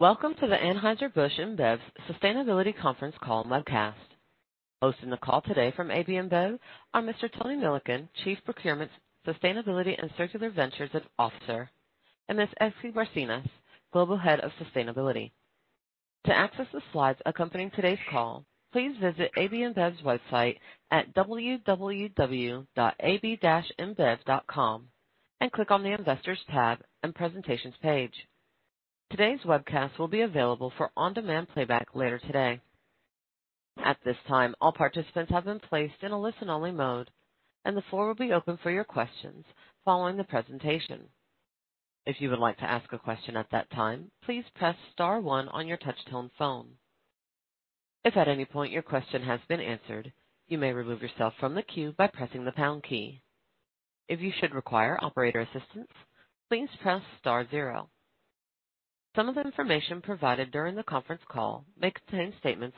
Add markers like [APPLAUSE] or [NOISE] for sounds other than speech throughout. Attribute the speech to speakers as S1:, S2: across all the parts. S1: Welcome to the Anheuser-Busch InBev Sustainability Conference Call Webcast. Hosting the call today from AB InBev are Mr. Tony Milikin, Chief Procurement, Sustainability, and Circular Ventures Officer, and Ms. Ezgi Barcenas, Global Head of Sustainability. To access the slides accompanying today's call, please visit AB InBev's website at www.ab-inbev.com and click on the Investors tab and Presentations page. Today's webcast will be available for on-demand playback later today. At this time, all participants have been placed in a listen-only mode, and would be open for your questions following the presentation. If you would like to ask a question at that time, please press star one on your touchtone phone. If at any point your questions have been answered, you may remove yourself from the queue by pressing the pound key. If you should require operator assistance, please press star zero. Some of the information provided during the conference call may contain statements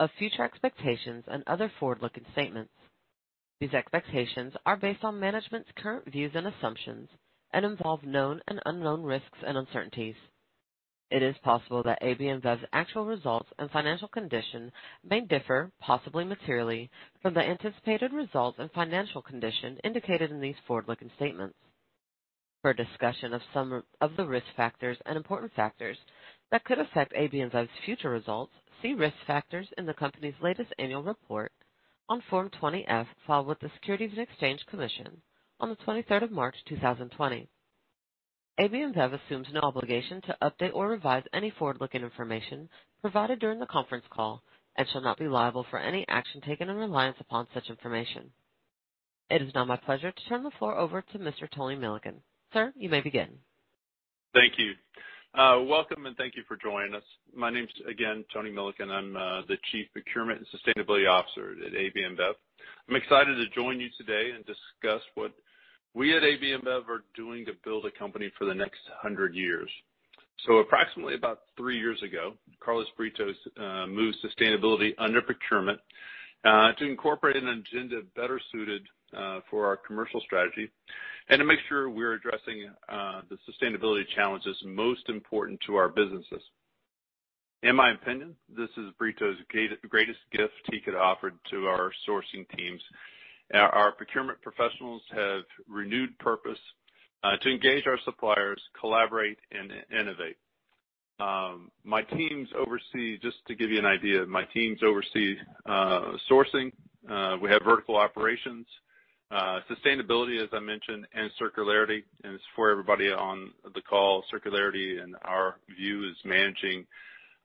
S1: of future expectations and other forward-looking statements. These expectations are based on management's current views and assumptions and involve known and unknown risks and uncertainties. It is possible that AB InBev's actual results and financial condition may differ, possibly materially, from the anticipated results and financial condition indicated in these forward-looking statements. For a discussion of some of the risk factors and important factors that could affect AB InBev's future results, see Risk Factors in the company's latest annual report on Form 20-F filed with the Securities and Exchange Commission on the 23rd of March 2020. AB InBev assumes no obligation to update or revise any forward-looking information provided during the conference call and shall not be liable for any action taken in reliance upon such information. It is now my pleasure to turn the floor over to Mr. Tony Milikin. Sir, you may begin.
S2: Thank you. Welcome, and thank you for joining us. My name's, again, Tony Milikin. I'm the Chief Procurement and Sustainability Officer at AB InBev. I'm excited to join you today and discuss what we at AB InBev are doing to build a company for the next 100 years. Approximately about three years ago, Carlos Brito moved sustainability under procurement, to incorporate an agenda better suited for our commercial strategy and to make sure we're addressing the sustainability challenges most important to our businesses. In my opinion, this is Brito's greatest gift he could offer to our sourcing teams. Our procurement professionals have renewed purpose to engage our suppliers, collaborate, and innovate. Just to give you an idea, my teams oversee sourcing, we have vertical operations, sustainability, as I mentioned, and circularity. For everybody on the call, circularity in our view is managing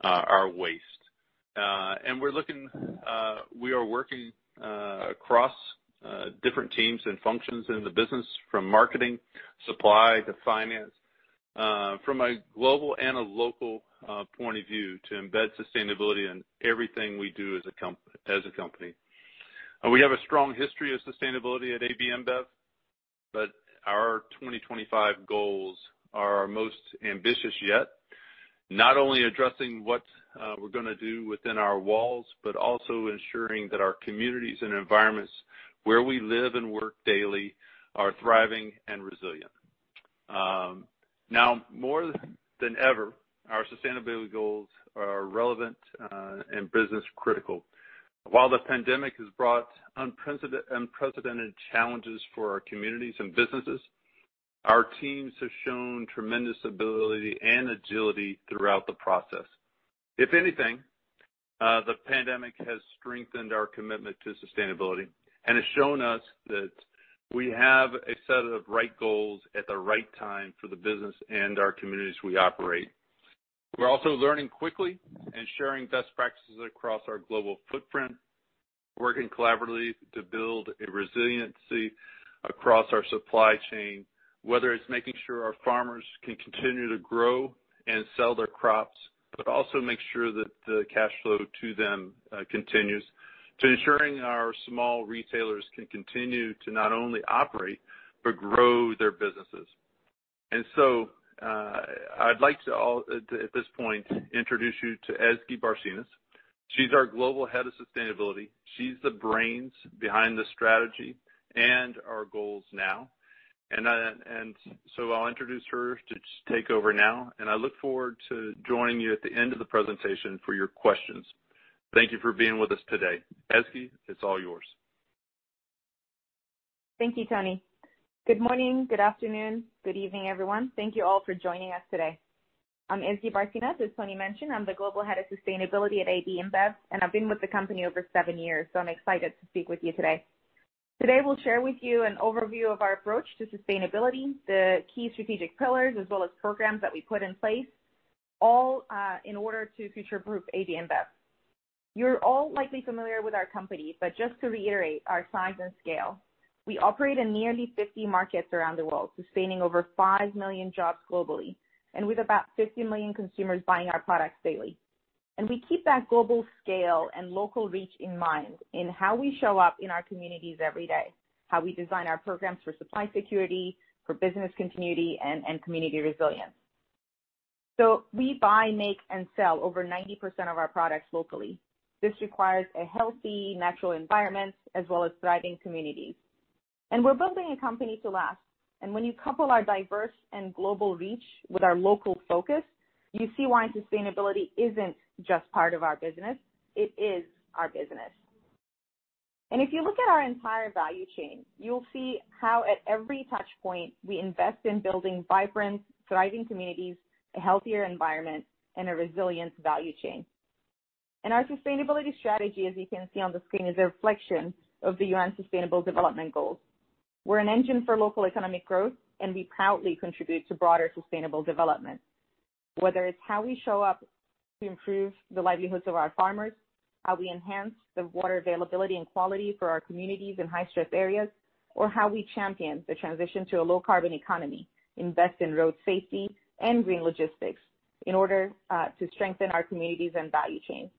S2: our waste. We are working across different teams and functions in the business, from marketing, supply to finance, from a global and a local point of view, to embed sustainability in everything we do as a company. We have a strong history of sustainability at AB InBev, but our 2025 goals are our most ambitious yet, not only addressing what we're going to do within our walls, but also ensuring that our communities and environments where we live and work daily are thriving and resilient. Now more than ever, our sustainability goals are relevant and business critical. While the pandemic has brought unprecedented challenges for our communities and businesses, our teams have shown tremendous ability and agility throughout the process. If anything, the pandemic has strengthened our commitment to sustainability and has shown us that we have a set of right goals at the right time for the business and our communities we operate. We're also learning quickly and sharing best practices across our global footprint, working collaboratively to build a resiliency across our supply chain, whether it's making sure our farmers can continue to grow and sell their crops, but also make sure that the cash flow to them continues, to ensuring our small retailers can continue to not only operate but grow their businesses. I'd like to, at this point, introduce you to Ezgi Barcenas. She's our Global Head of Sustainability. She's the brains behind the strategy and our goals now. I'll introduce her to take over now, and I look forward to joining you at the end of the presentation for your questions. Thank you for being with us today. Ezgi, it's all yours.
S3: Thank you, Tony. Good morning, good afternoon, good evening, everyone. Thank you all for joining us today. I'm Ezgi Barcenas. As Tony mentioned, I'm the Global Head of Sustainability at AB InBev, and I've been with the company over seven years, so I'm excited to speak with you today. Today, we'll share with you an overview of our approach to sustainability, the key strategic pillars, as well as programs that we put in place, all in order to future-proof AB InBev. You're all likely familiar with our company, but just to reiterate our size and scale, we operate in nearly 50 markets around the world, sustaining over 5 million jobs globally, and with about 50 million consumers buying our products daily. We keep that global scale and local reach in mind in how we show up in our communities every day, how we design our programs for supply security, for business continuity, and community resilience. We buy, make, and sell over 90% of our products locally. This requires a healthy natural environment as well as thriving communities. We're building a company to last. When you couple our diverse and global reach with our local focus, you see why sustainability isn't just part of our business, it is our business. If you look at our entire value chain, you'll see how at every touch point, we invest in building vibrant, thriving communities, a healthier environment, and a resilient value chain. Our sustainability strategy, as you can see on the screen, is a reflection of the UN Sustainable Development Goals. We're an engine for local economic growth. We proudly contribute to broader sustainable development. Whether it's how we show up to improve the livelihoods of our farmers, how we enhance the water availability and quality for our communities in high-stress areas, or how we champion the transition to a low-carbon economy, invest in road safety and green logistics in order to strengthen our communities and value chain,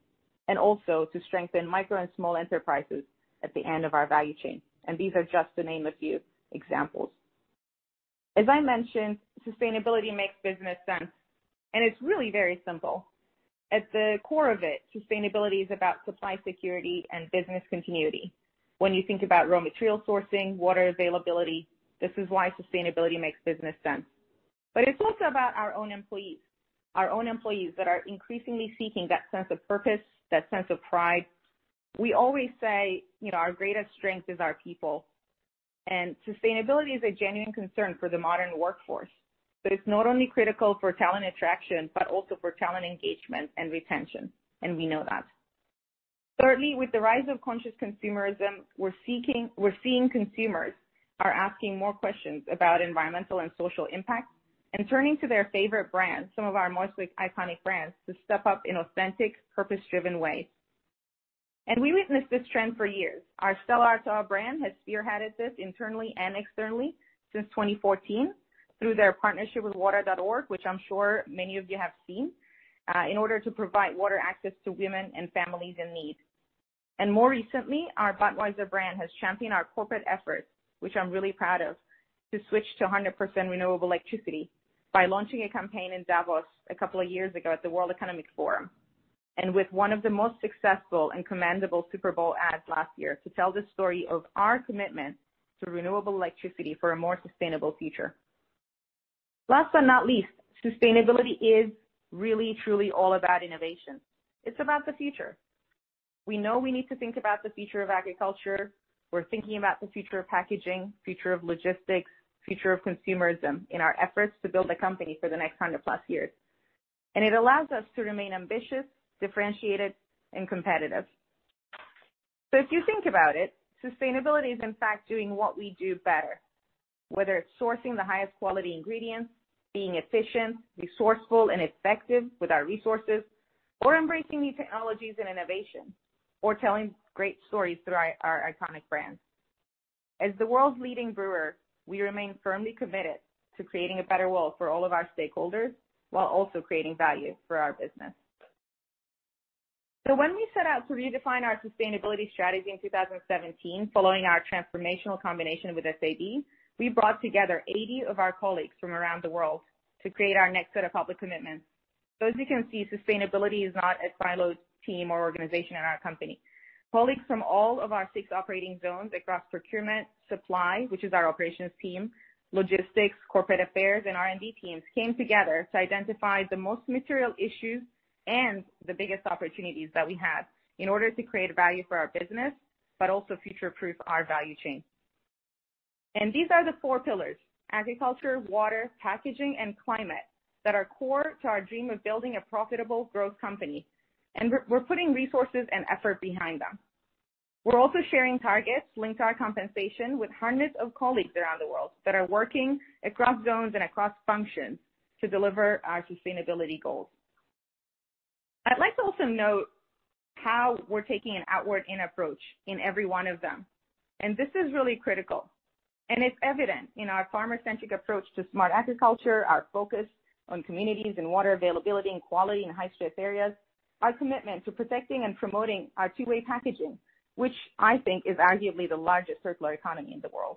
S3: and also to strengthen micro and small enterprises at the end of our value chain. These are just to name a few examples. As I mentioned, sustainability makes business sense, and it's really very simple. At the core of it, sustainability is about supply security and business continuity. When you think about raw material sourcing, water availability, this is why sustainability makes business sense. It's also about our own employees that are increasingly seeking that sense of purpose, that sense of pride. We always say our greatest strength is our people. Sustainability is a genuine concern for the modern workforce. It's not only critical for talent attraction, but also for talent engagement and retention, and we know that. Thirdly, with the rise of conscious consumerism, we're seeing consumers are asking more questions about environmental and social impact and turning to their favorite brands, some of our most iconic brands, to step up in authentic, purpose-driven ways. We witnessed this trend for years. Our Stella Artois brand has spearheaded this internally and externally since 2014 through their partnership with Water.org, which I'm sure many of you have seen, in order to provide water access to women and families in need. More recently, our Budweiser brand has championed our corporate efforts, which I'm really proud of, to switch to 100% renewable electricity by launching a campaign in Davos a couple of years ago at the World Economic Forum. With one of the most successful and commendable Super Bowl ads last year to tell the story of our commitment to renewable electricity for a more sustainable future. Last but not least, sustainability is really truly all about innovation. It's about the future. We know we need to think about the future of agriculture. We're thinking about the future of packaging, future of logistics, future of consumerism in our efforts to build a company for the next 100+ years. It allows us to remain ambitious, differentiated, and competitive. If you think about it, sustainability is in fact doing what we do better, whether it's sourcing the highest quality ingredients, being efficient, resourceful, and effective with our resources, or embracing new technologies and innovation, or telling great stories through our iconic brands. As the world's leading brewer, we remain firmly committed to creating a Better World for all of our stakeholders while also creating value for our business. When we set out to redefine our sustainability strategy in 2017, following our transformational combination with SAB, we brought together 80 of our colleagues from around the world to create our next set of public commitments. As you can see, sustainability is not a siloed team or organization in our company. Colleagues from all of our six operating zones across procurement, supply, which is our operations team, logistics, Corporate Affairs, and R&D teams came together to identify the most material issues and the biggest opportunities that we have in order to create value for our business, but also future-proof our value chain. These are the four pillars, agriculture, water, packaging, and climate, that are core to our dream of building a profitable growth company, and we're putting resources and effort behind them. We're also sharing targets linked to our compensation with hundreds of colleagues around the world that are working across zones and across functions to deliver our sustainability goals. I'd like to also note how we're taking an outward-in approach in every one of them. This is really critical. It's evident in our farmer-centric approach to smart agriculture, our focus on communities and water availability and quality in high-stress areas, our commitment to protecting and promoting our two-way packaging, which I think is arguably the largest circular economy in the world,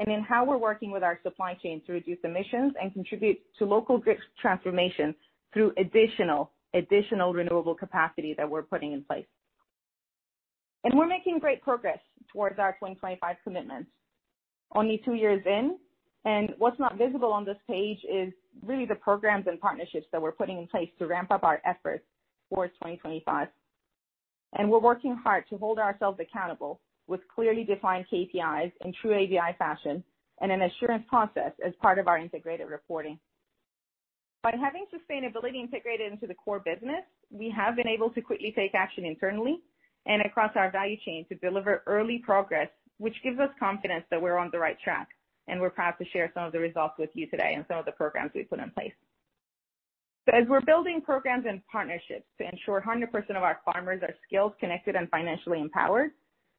S3: and in how we're working with our supply chain to reduce emissions and contribute to local grid transformation through additional renewable capacity that we're putting in place. We're making great progress towards our 2025 commitments. Only two years in, what's not visible on this page is really the programs and partnerships that we're putting in place to ramp up our efforts towards 2025. We're working hard to hold ourselves accountable with clearly defined KPIs in true ABI fashion and an assurance process as part of our integrated reporting. By having sustainability integrated into the core business, we have been able to quickly take action internally and across our value chain to deliver early progress, which gives us confidence that we're on the right track, and we're proud to share some of the results with you today and some of the programs we've put in place. As we're building programs and partnerships to ensure 100% of our farmers are skilled, connected, and financially empowered,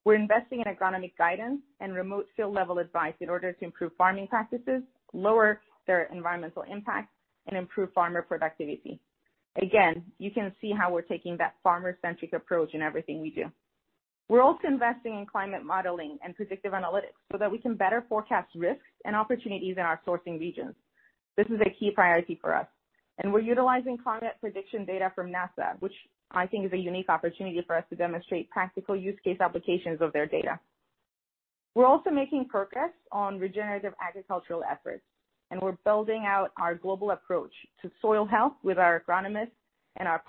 S3: we're investing in agronomic guidance and remote field level advice in order to improve farming practices, lower their environmental impact, and improve farmer productivity. Again, you can see how we're taking that farmer-centric approach in everything we do. We're also investing in climate modeling and predictive analytics so that we can better forecast risks and opportunities in our sourcing regions. This is a key priority for us. We're utilizing climate prediction data from NASA, which I think is a unique opportunity for us to demonstrate practical use case applications of their data. We're also making progress on regenerative agricultural efforts. We're building out our global approach to soil health with our agronomists and our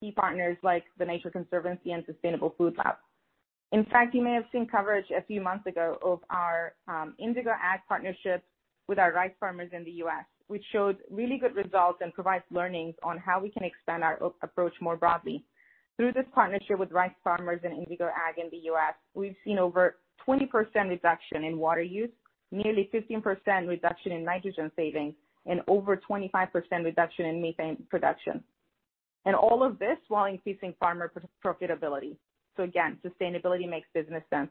S3: key partners, like The Nature Conservancy and Sustainable Food Lab. In fact, you may have seen coverage a few months ago of our Indigo Ag partnership with our rice farmers in the U.S., which showed really good results and provides learnings on how we can expand our approach more broadly. Through this partnership with rice farmers and Indigo Ag in the U.S., we've seen over 20% reduction in water use, nearly 15% reduction in nitrogen savings, and over 25% reduction in methane production. All of this while increasing farmer profitability, so again, sustainability makes business sense.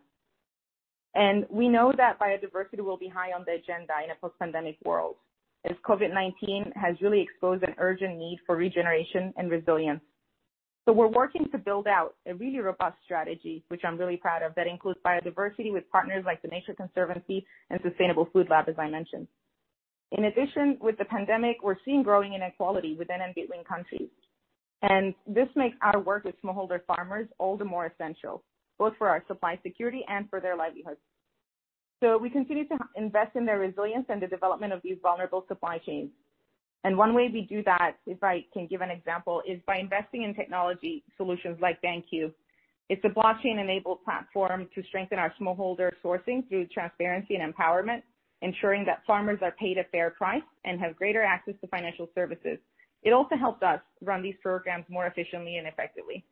S3: We know that biodiversity will be high on the agenda in a post-pandemic world, as COVID-19 has really exposed an urgent need for regeneration and resilience. We're working to build out a really robust strategy, which I'm really proud of, that includes biodiversity with partners like The Nature Conservancy and Sustainable Food Lab, as I mentioned. In addition, with the pandemic, we're seeing growing inequality within and between countries. This makes our work with smallholder farmers all the more essential, both for our supply security and for their livelihoods. We continue to invest in their resilience and the development of these vulnerable supply chains. One way we do that, if I can give an example, is by investing in technology solutions like BanQu. It's a blockchain-enabled platform to strengthen our smallholder sourcing through transparency and empowerment, ensuring that farmers are paid a fair price and have greater access to financial services. It also helps us run these programs more efficiently and effectively.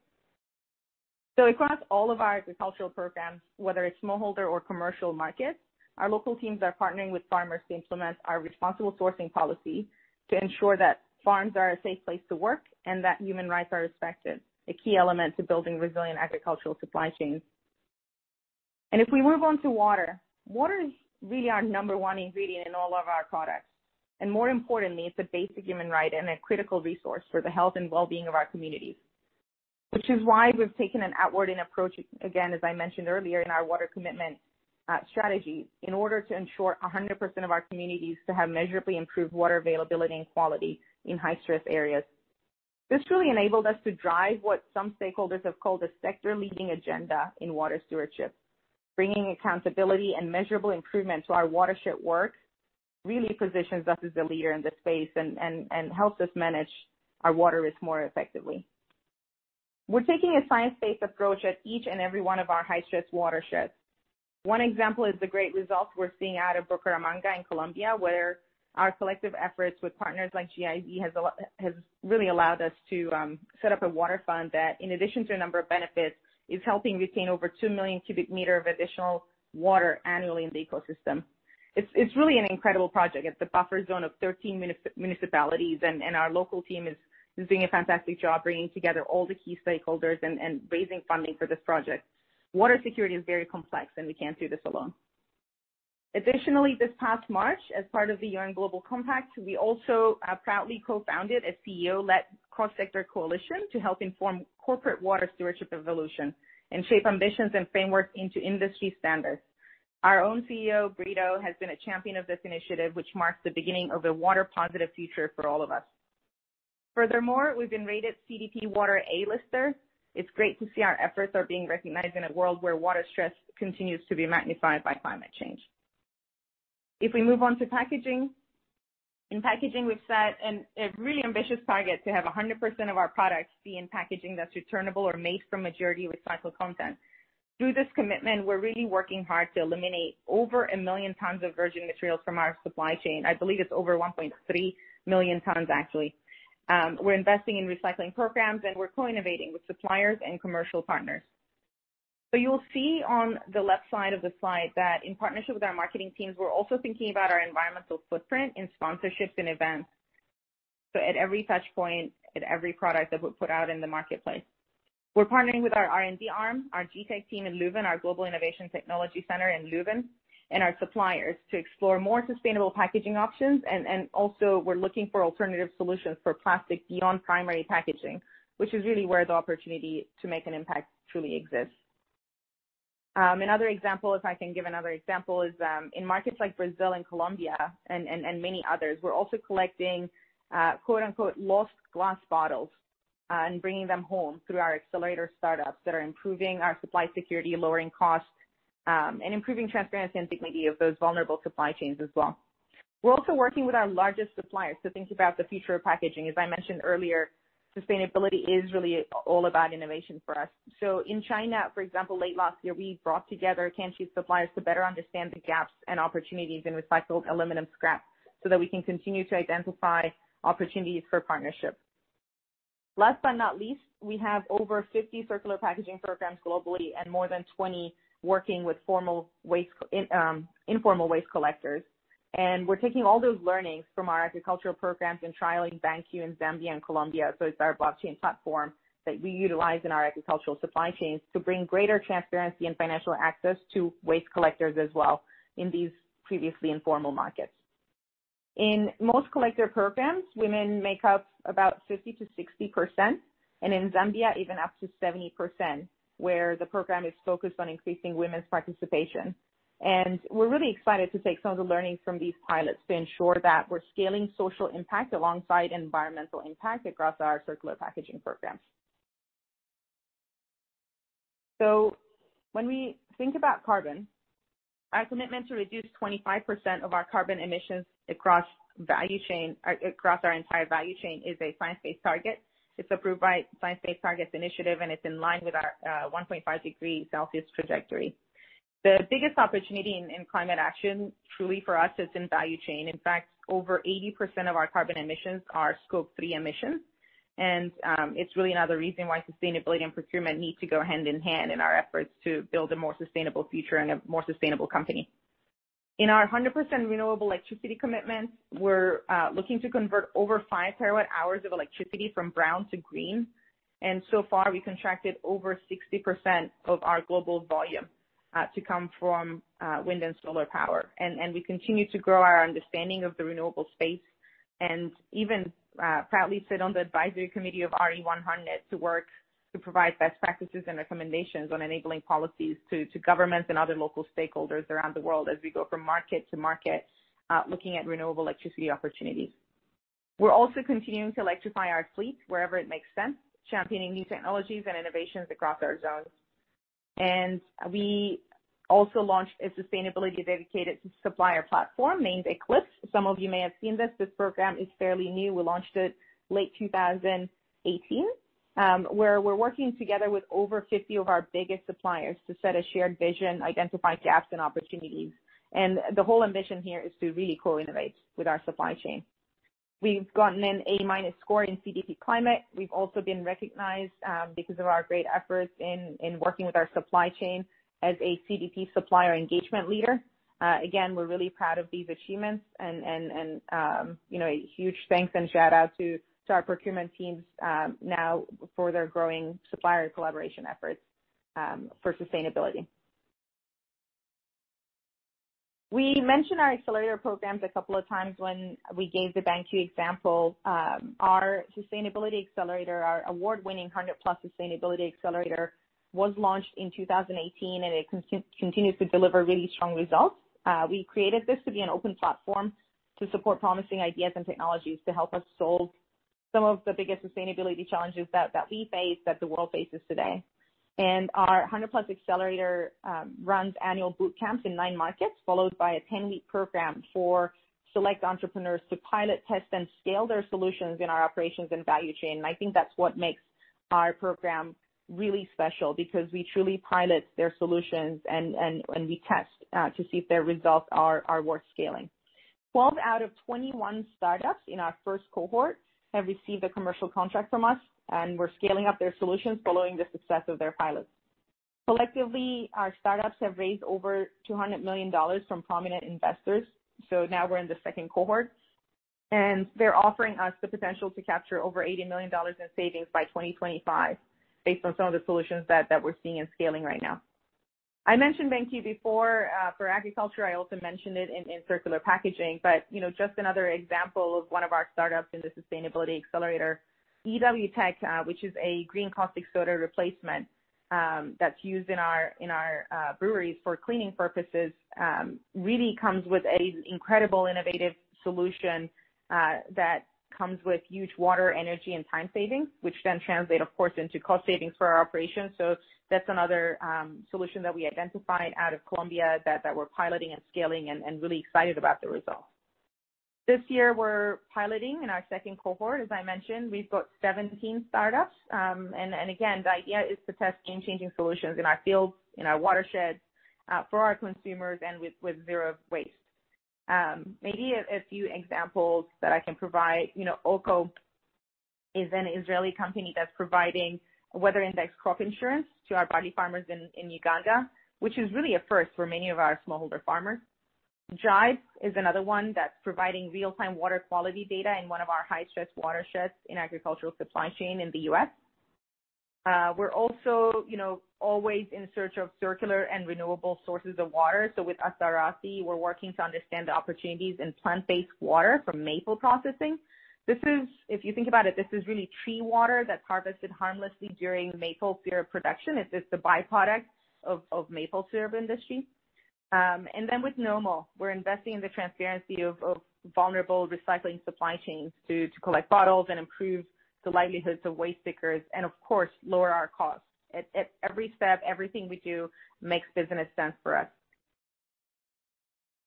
S3: Across all of our agricultural programs, whether it's smallholder or commercial markets, our local teams are partnering with farmers to implement our responsible sourcing policy to ensure that farms are a safe place to work and that human rights are respected, a key element to building resilient agricultural supply chains. If we move on to water, it is really our number one ingredient in all of our products. More importantly, it's a basic human right and a critical resource for the health and wellbeing of our communities, which is why we've taken an outward-in approach, again, as I mentioned earlier, in our water commitment strategy in order to ensure 100% of our communities to have measurably improved water availability and quality in high-stress areas. This truly enabled us to drive what some stakeholders have called a sector-leading agenda in water stewardship. Bringing accountability and measurable improvement to our watershed work really positions us as a leader in this space and helps us manage our water risk more effectively. We're taking a science-based approach at each and every one of our high-stress watersheds. One example is the great results we're seeing out of Bucaramanga in Colombia, where our collective efforts with partners like GIZ has really allowed us to set up a water fund that, in addition to a number of benefits, is helping retain over 2 million cubic meter of additional water annually in the ecosystem. It's really an incredible project. It's a buffer zone of 13 municipalities, and our local team is doing a fantastic job bringing together all the key stakeholders and raising funding for this project. Water security is very complex, and we can't do this alone. Additionally, this past March, as part of the UN Global Compact, we also proudly co-founded a CEO-led cross-sector coalition to help inform corporate water stewardship evolution and shape ambitions and frameworks into industry standards. Our own CEO, Brito, has been a champion of this initiative, which marks the beginning of a water positive future for all of us. Furthermore, we've been rated CDP Water A-Lister. It's great to see our efforts are being recognized in a world where water stress continues to be magnified by climate change. If we move on to packaging. In packaging, we've set a really ambitious target to have 100% of our products be in packaging that's returnable or made from majority recycled content. Through this commitment, we're really working hard to eliminate over a million tons of virgin materials from our supply chain. I believe it's over 1.3 million tons, actually. We're investing in recycling programs, and we're co-innovating with suppliers and commercial partners. You'll see on the left side of the slide that in partnership with our marketing teams, we're also thinking about our environmental footprint in sponsorships and events. At every touch point, at every product that we put out in the marketplace, we're partnering with our R&D arm, our GITEC team in Leuven, our Global Innovation and Technology Center in Leuven, and our suppliers to explore more sustainable packaging options. We're looking for alternative solutions for plastic beyond primary packaging, which is really where the opportunity to make an impact truly exists. Another example, if I can give another example, is in markets like Brazil and Colombia and many others, we're also collecting, quote-unquote, lost glass bottles and bringing them home through our accelerator startups that are improving our supply security, lowering costs, and improving transparency and dignity of those vulnerable supply chains as well. We're also working with our largest suppliers to think about the future of packaging. As I mentioned earlier, sustainability is really all about innovation for us. In China, for example, late last year, we brought together can sheet suppliers to better understand the gaps and opportunities in recycled aluminum scrap so that we can continue to identify opportunities for partnership. Last but not least, we have over 50 circular packaging programs globally and more than 20 working with informal waste collectors. We're taking all those learnings from our agricultural programs and trialing BanQu in Zambia and Colombia. It's our blockchain platform that we utilize in our agricultural supply chains to bring greater transparency and financial access to waste collectors as well in these previously informal markets. In most collector programs, women make up about 50%-60%, and in Zambia, even up to 70%, where the program is focused on increasing women's participation. We're really excited to take some of the learnings from these pilots to ensure that we're scaling social impact alongside environmental impact across our circular packaging programs. When we think about carbon, our commitment to reduce 25% of our carbon emissions across our entire value chain is a science-based target. It's approved by Science Based Targets initiative, and it's in line with our 1.5 degrees Celsius trajectory. The biggest opportunity in climate action, truly, for us, is in value chain. In fact, over 80% of our carbon emissions are Scope 3 emissions, and it's really another reason why sustainability and procurement need to go hand in hand in our efforts to build a more sustainable future and a more sustainable company. In our 100% renewable electricity commitments, we're looking to convert over 5 TWh of electricity from brown to green. So far, we contracted over 60% of our global volume to come from wind and solar power. We continue to grow our understanding of the renewable space and even proudly sit on the advisory committee of RE100 to work to provide best practices and recommendations on enabling policies to governments and other local stakeholders around the world as we go from market to market, looking at renewable electricity opportunities. We're also continuing to electrify our fleet wherever it makes sense, championing new technologies and innovations across our zones. We also launched a sustainability dedicated supplier platform named Eclipse. Some of you may have seen this. This program is fairly new. We launched it late 2018, where we're working together with over 50 of our biggest suppliers to set a shared vision, identify gaps and opportunities. The whole ambition here is to really co-innovate with our supply chain. We've gotten an A- score in CDP Climate. We've also been recognized because of our great efforts in working with our supply chain as a CDP Supplier Engagement Leader. Again, we're really proud of these achievements and a huge thanks and shout-out to our procurement teams now for their growing supplier collaboration efforts for sustainability. We mentioned our accelerator programs a couple of times when we gave the BanQu example. Our Sustainability Accelerator, our award-winning 100+ Sustainability Accelerator, was launched in 2018, and it continues to deliver really strong results. We created this to be an open platform to support promising ideas and technologies to help us solve some of the biggest sustainability challenges that we face, that the world faces today. Our 100+ Accelerator runs annual boot camps in nine markets, followed by a 10-week program for select entrepreneurs to pilot, test, and scale their solutions in our operations and value chain. I think that's what makes our program really special, because we truly pilot their solutions and we test to see if their results are worth scaling. 12 out of 21 startups in our first cohort have received a commercial contract from us, and we're scaling up their solutions following the success of their pilots. Collectively, our startups have raised over $200 million from prominent investors. Now we're in the second cohort, and they're offering us the potential to capture over $80 million in savings by 2025 based on some of the solutions that we're seeing and scaling right now. I mentioned BanQu before for agriculture. I also mentioned it in circular packaging. Just another example of one of our startups in the Sustainability Accelerator, EW Tech, which is a green caustic soda replacement that's used in our breweries for cleaning purposes really comes with an incredible innovative solution that comes with huge water, energy, and time savings, which then translate, of course, into cost savings for our operations. That's another solution that we identified out of Colombia that we're piloting and scaling and really excited about the results. This year, we're piloting in our second cohort, as I mentioned. We've got 17 startups. Again, the idea is to test game-changing solutions in our fields, in our watersheds, for our consumers, and with zero waste. Maybe a few examples that I can provide. OKO is an Israeli company that's providing weather-indexed crop insurance to our barley farmers in Uganda, which is really a first for many of our smallholder farmers. Gybe is another one that's providing real-time water quality data in one of our high-stress watersheds in agricultural supply chain in the U.S. We're also always in search of circular and renewable sources of water. With Asarasi, we're working to understand the opportunities in plant-based water from maple processing. If you think about it, this is really tree water that's harvested harmlessly during maple syrup production. It's the byproduct of maple syrup industry. Then with Nomo, we're investing in the transparency of vulnerable recycling supply chains to collect bottles and improve the livelihoods of waste pickers and, of course, lower our costs. At every step, everything we do makes business sense for us.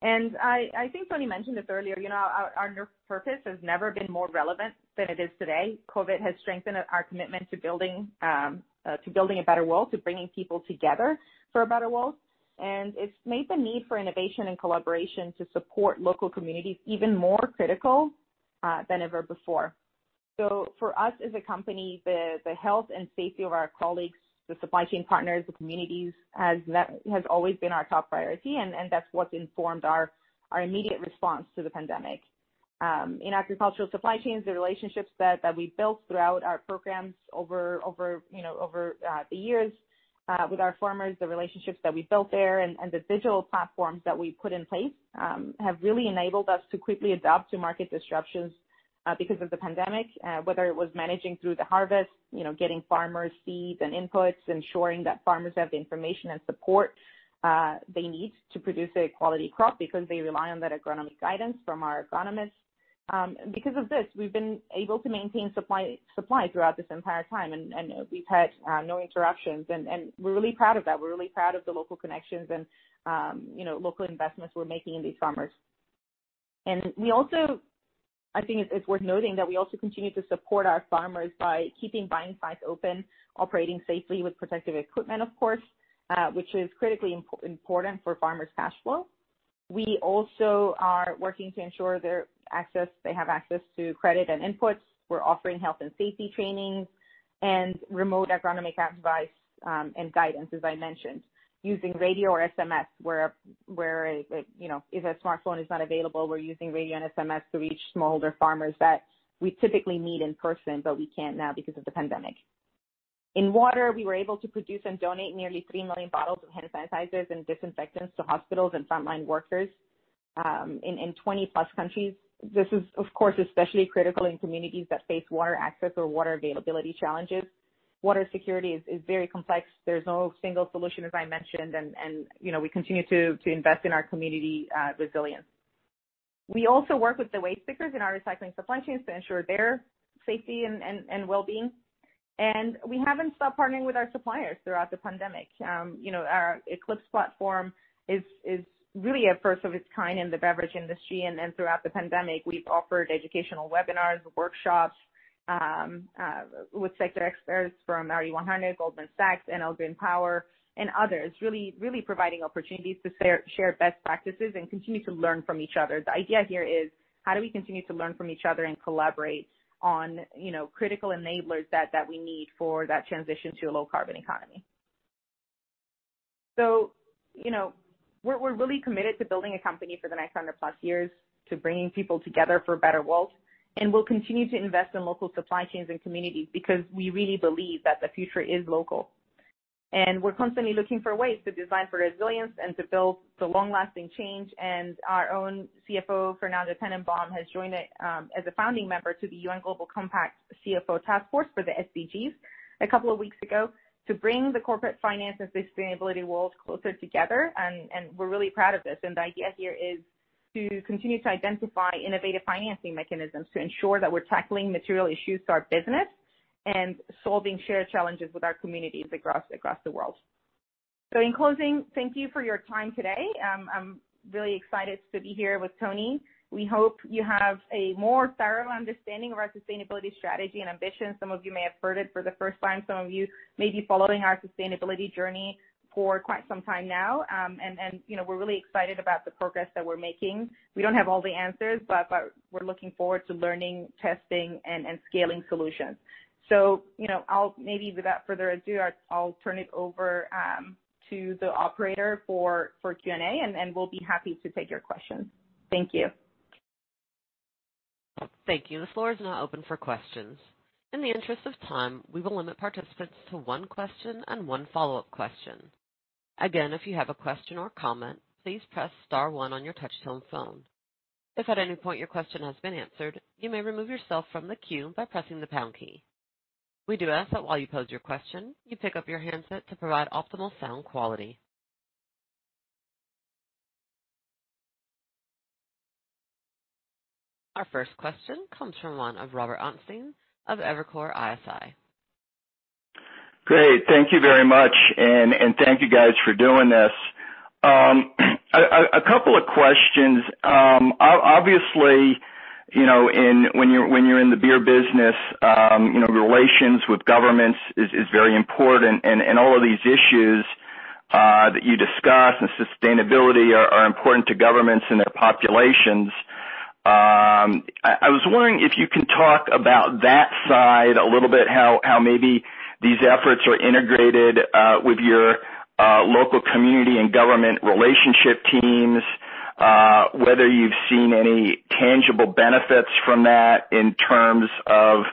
S3: I think Tony mentioned this earlier. Our purpose has never been more relevant than it is today. COVID has strengthened our commitment to building a Better World, to bringing people together for a Better World. It's made the need for innovation and collaboration to support local communities even more critical than ever before. For us as a company, the health and safety of our colleagues, the supply chain partners, the communities, has always been our top priority, and that's what's informed our immediate response to the pandemic. In agricultural supply chains, the relationships that we built throughout our programs over the years with our farmers, the relationships that we built there, and the digital platforms that we put in place have really enabled us to quickly adapt to market disruptions. Because of the pandemic, whether it was managing through the harvest, getting farmers seeds and inputs, ensuring that farmers have the information and support they need to produce a quality crop because they rely on that agronomic guidance from our agronomists. Because of this, we've been able to maintain supply throughout this entire time, and we've had no interruptions, and we're really proud of that. We're really proud of the local connections and local investments we're making in these farmers. I think it's worth noting that we also continue to support our farmers by keeping buying sites open, operating safely with protective equipment, of course, which is critically important for farmers' cash flow. We also are working to ensure they have access to credit and inputs. We're offering health and safety trainings and remote agronomic advice and guidance, as I mentioned, using radio or SMS where, if a smartphone is not available, we're using radio and SMS to reach smallholder farmers that we typically meet in person, but we can't now because of the pandemic. In water, we were able to produce and donate nearly 3 million bottles of hand sanitizers and disinfectants to hospitals and frontline workers in 20+ countries. This is, of course, especially critical in communities that face water access or water availability challenges. Water security is very complex. There's no single solution, as I mentioned. We continue to invest in our community resilience. We also work with the waste pickers in our recycling supply chains to ensure their safety and wellbeing. We haven't stopped partnering with our suppliers throughout the pandemic. Our Eclipse platform is really a first of its kind in the beverage industry. Throughout the pandemic, we've offered educational webinars, workshops with sector experts from RE100, Goldman Sachs, Enel Green Power, and others, really providing opportunities to share best practices and continue to learn from each other. The idea here is, how do we continue to learn from each other and collaborate on critical enablers that we need for that transition to a low carbon economy? We're really committed to building a company for the next 100+ years, to bringing people together for a Better World. We'll continue to invest in local supply chains and communities because we really believe that the future is local. We're constantly looking for ways to design for resilience and to build the long-lasting change. Our own CFO, Fernando Tennenbaum, has joined as a founding member to the UN Global Compact CFO Coalition for the SDGs a couple of weeks ago to bring the corporate finance and sustainability world closer together. We're really proud of this. The idea here is to continue to identify innovative financing mechanisms to ensure that we're tackling material issues to our business and solving shared challenges with our communities across the world. In closing, thank you for your time today. I'm really excited to be here with Tony. We hope you have a more thorough understanding of our sustainability strategy and ambition. Some of you may have heard it for the first time. Some of you may be following our sustainability journey for quite some time now. We're really excited about the progress that we're making. We don't have all the answers, but we're looking forward to learning, testing, and scaling solutions. Maybe without further ado, I'll turn it over to the operator for Q&A, and we'll be happy to take your questions. Thank you.
S1: Thank you. The floor is now open for questions. In the interest of time, we will limit participants to one question and one follow-up question. Again, if you have a question or comment, please press star one on your touchtone phone. If at any point your question has been answered, you may remove yourself from the queue by pressing the pound key. We do ask that while you pose your question, you pick up your handset to provide optimal sound quality. Our first question comes from Robert Ottenstein of Evercore ISI.
S4: Great. Thank you very much, and thank you guys for doing this. A couple of questions. Obviously, when you're in the beer business, relations with governments is very important and all of these issues that you discuss and sustainability are important to governments and their populations. I was wondering if you can talk about that side a little bit, how maybe these efforts are integrated with your local community and government relationship teams, whether you've seen any tangible benefits from that in terms of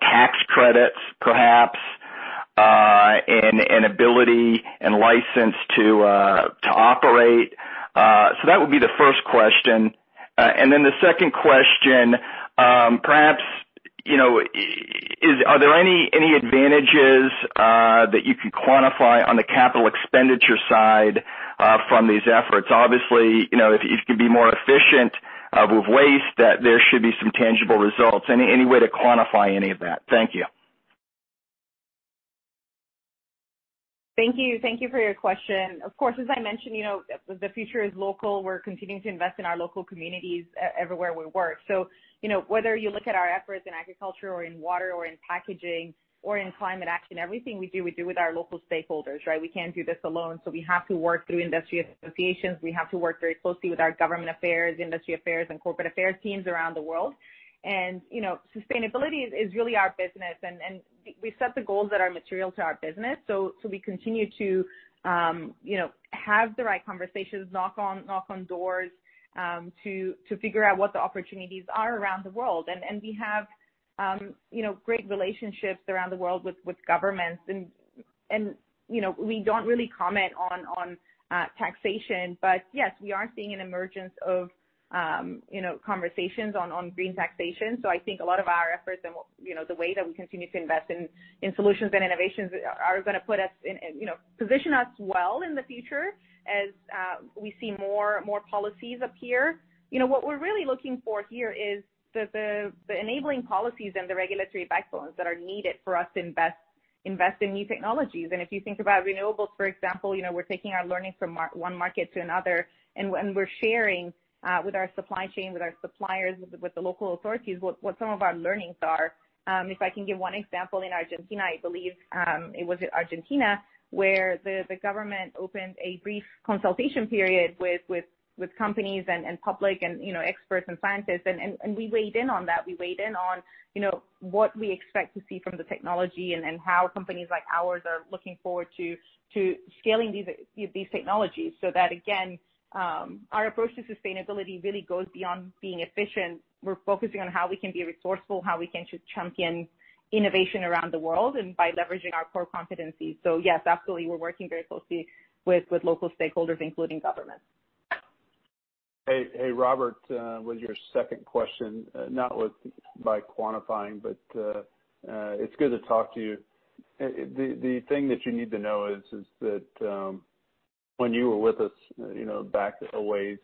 S4: tax credits, perhaps, and ability and license to operate. That would be the first question. The second question, perhaps, are there any advantages that you could quantify on the capital expenditure side from these efforts? Obviously, if you can be more efficient with waste, that there should be some tangible results. Any way to quantify any of that? Thank you.
S3: Thank you. Thank you for your question. Of course, as I mentioned, the future is local. We're continuing to invest in our local communities everywhere we work. Whether you look at our efforts in agriculture or in water or in packaging or in climate action, everything we do, we do with our local stakeholders, right? We can't do this alone, we have to work through industry associations. We have to work very closely with our government affairs, industry affairs, and corporate affairs teams around the world. Sustainability is really our business, and we set the goals that are material to our business. We continue to have the right conversations, knock on doors to figure out what the opportunities are around the world. We have great relationships around the world with governments. We don't really comment on taxation. Yes, we are seeing an emergence of conversations on green taxation. I think a lot of our efforts and the way that we continue to invest in solutions and innovations are going to position us well in the future as we see more policies appear. What we're really looking for here is the enabling policies and the regulatory backbones that are needed for us to invest in new technologies. If you think about renewables, for example, we're taking our learnings from one market to another, and we're sharing with our supply chain, with our suppliers, with the local authorities, what some of our learnings are. If I can give one example, in Argentina, I believe, it was in Argentina, where the government opened a brief consultation period with companies and public and experts and scientists, and we weighed in on that. We weighed in on what we expect to see from the technology and how companies like ours are looking forward to scaling these technologies. That, again, our approach to sustainability really goes beyond being efficient. We're focusing on how we can be resourceful, how we can champion innovation around the world, and by leveraging our core competencies. Yes, absolutely. We're working very closely with local stakeholders, including government.
S2: Hey, Robert, with your second question, not by quantifying, but it's good to talk to you. The thing that you need to know is that when you were with us back a ways,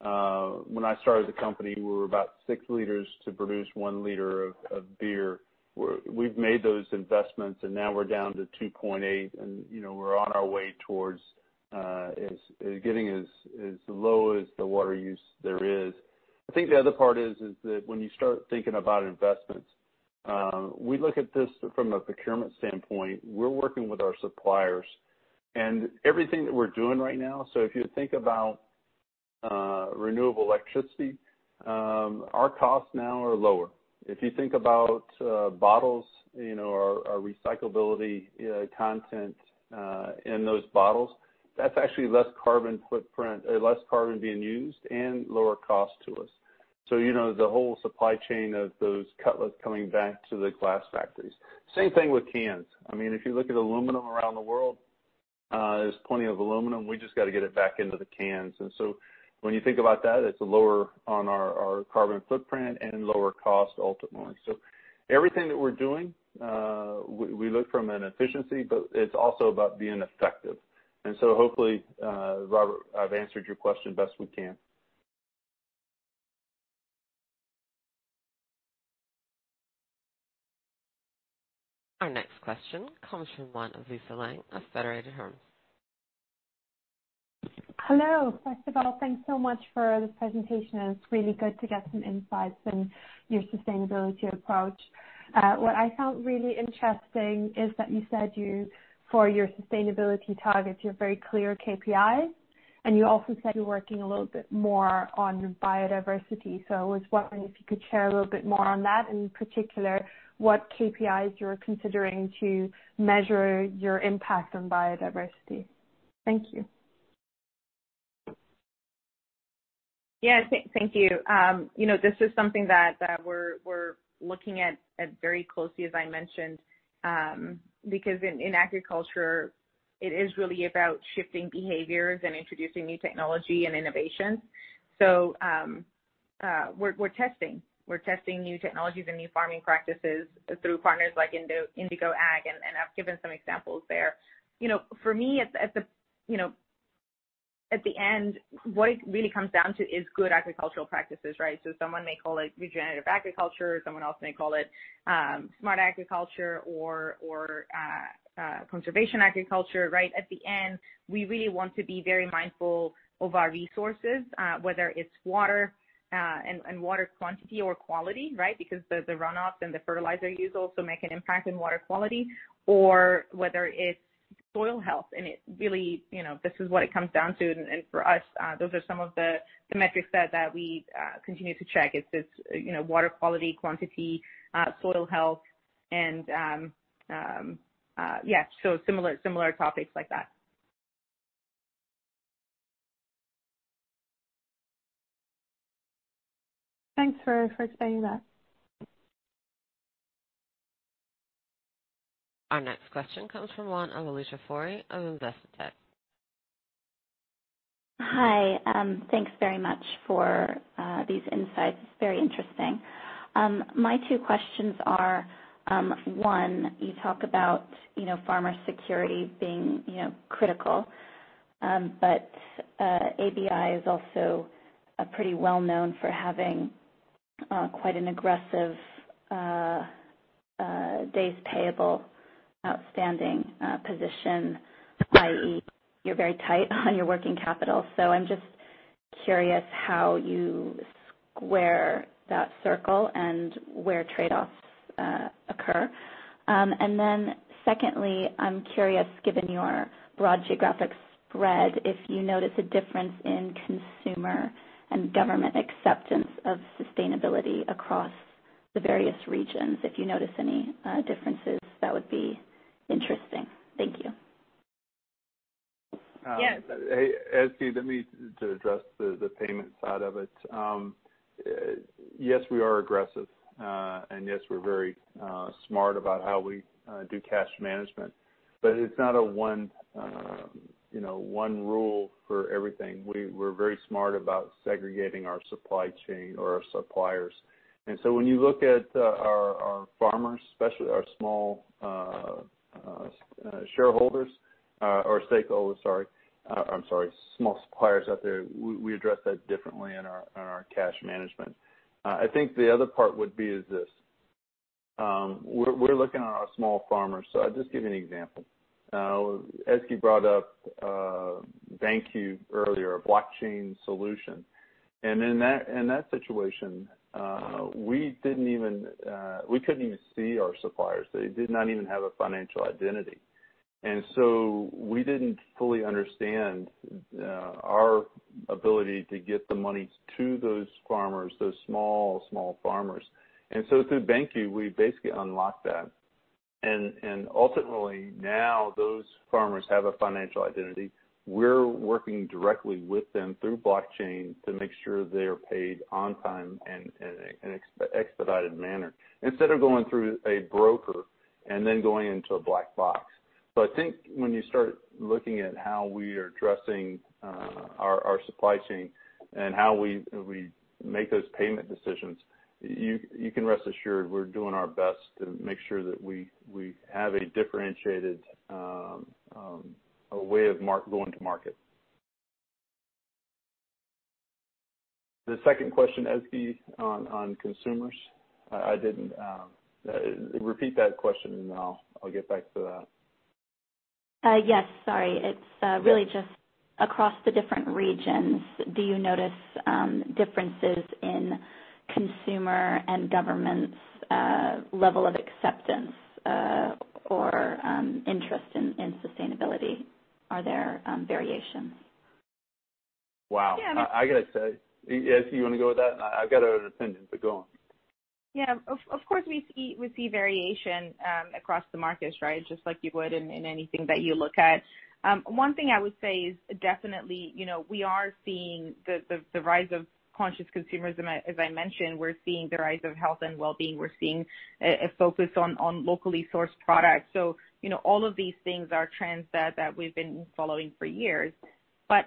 S2: when I started the company, we were about 6 L to produce 1 L of beer. We've made those investments, and now we're down to 2.8 L, and we're on our way towards getting as low as the water use there is. I think the other part is that when you start thinking about investments, we look at this from a procurement standpoint. We're working with our suppliers and everything that we're doing right now. If you think about renewable electricity, our costs now are lower. If you think about bottles, our recyclability content in those bottles, that's actually less carbon being used and lower cost to us. The whole supply chain of those cullets coming back to the glass factories. Same thing with cans. If you look at aluminum around the world, there's plenty of aluminum. We just got to get it back into the cans. When you think about that, it's lower on our carbon footprint and lower cost ultimately. Everything that we're doing, we look from an efficiency, but it's also about being effective. Hopefully, Robert, I've answered your question best we can.
S1: Our next question comes from line of Lisa Lange of Federated Hermes.
S5: Hello. First of all, thanks so much for this presentation. It's really good to get some insights in your sustainability approach. What I found really interesting is that you said for your sustainability targets, you have very clear KPIs, and you also said you're working a little bit more on biodiversity. I was wondering if you could share a little bit more on that, and in particular, what KPIs you're considering to measure your impact on biodiversity? Thank you.
S3: Yeah. Thank you. This is something that we're looking at very closely, as I mentioned, because in agriculture, it is really about shifting behaviors and introducing new technology and innovation. We're testing. We're testing new technologies and new farming practices through partners like Indigo Ag, and I've given some examples there. For me, at the end, what it really comes down to is good agricultural practices, right? Someone may call it regenerative agriculture, someone else may call it smart agriculture or conservation agriculture. At the end, we really want to be very mindful of our resources, whether it's water and water quantity or quality, because the runoff and the fertilizer use also make an impact in water quality or whether it's soil health. This is what it comes down to. For us, those are some of the metrics that we continue to check. It's water quality, quantity, soil health, and similar topics like that.
S5: Thanks for explaining that.
S1: Our next question comes from one Alicia Forry of Investec.
S6: Hi. Thanks very much for these insights. It's very interesting. My two questions are, one, you talk about farmer security being critical, but ABI is also pretty well-known for having quite an aggressive days payable outstanding position, i.e., you're very tight on your working capital. I'm just curious how you square that circle and where trade-offs occur? Secondly, I'm curious, given your broad geographic spread, if you notice a difference in consumer and government acceptance of sustainability across the various regions. If you notice any differences, that would be interesting. Thank you.
S3: Yes.
S2: Hey, Ezgi, let me address the payment side of it. Yes, we are aggressive, and yes, we're very smart about how we do cash management, but it's not a one rule for everything. We're very smart about segregating our supply chain or our suppliers. When you look at our farmers, especially our small suppliers out there, we address that differently in our cash management. I think the other part would be is this. We're looking at our small farmers. I'll just give you an example. Ezgi brought up BanQu earlier, a blockchain solution. In that situation, we couldn't even see our suppliers. They did not even have a financial identity. We didn't fully understand our ability to get the money to those farmers, those small farmers. Through BanQu, we basically unlocked that. Ultimately, now those farmers have a financial identity. We're working directly with them through blockchain to make sure they are paid on time in an expedited manner. Instead of going through a broker and then going into a black box. I think when you start looking at how we are addressing our supply chain and how we make those payment decisions, you can rest assured we're doing our best to make sure that we have a differentiated way of going to market. The second question, Ezgi, on consumers. Repeat that question, and I'll get back to that.
S6: Yes. Sorry. It's really just across the different regions, do you notice differences in consumer and government's level of acceptance or interest in sustainability? Are there variations?
S2: Wow.
S3: Yeah.
S2: Ezgi, you want to go with that? I've got an opinion, but go on.
S3: Yeah. Of course, we see variation across the markets, right? Just like you would in anything that you look at. One thing I would say is definitely, we are seeing the rise of conscious consumerism. As I mentioned, we're seeing the rise of health and wellbeing. We're seeing a focus on locally sourced products. All of these things are trends that we've been following for years.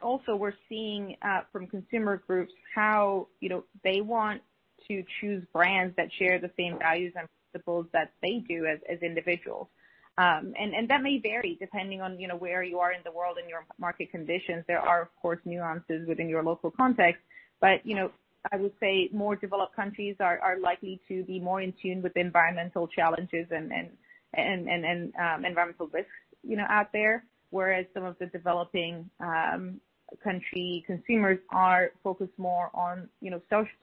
S3: Also we're seeing, from consumer groups, how they want to choose brands that share the same values and principles that they do as individuals. That may vary depending on where you are in the world and your market conditions. There are, of course, nuances within your local context, but I would say more developed countries are likely to be more in tune with environmental challenges and environmental risks out there. Whereas some of the developing country consumers are focused more on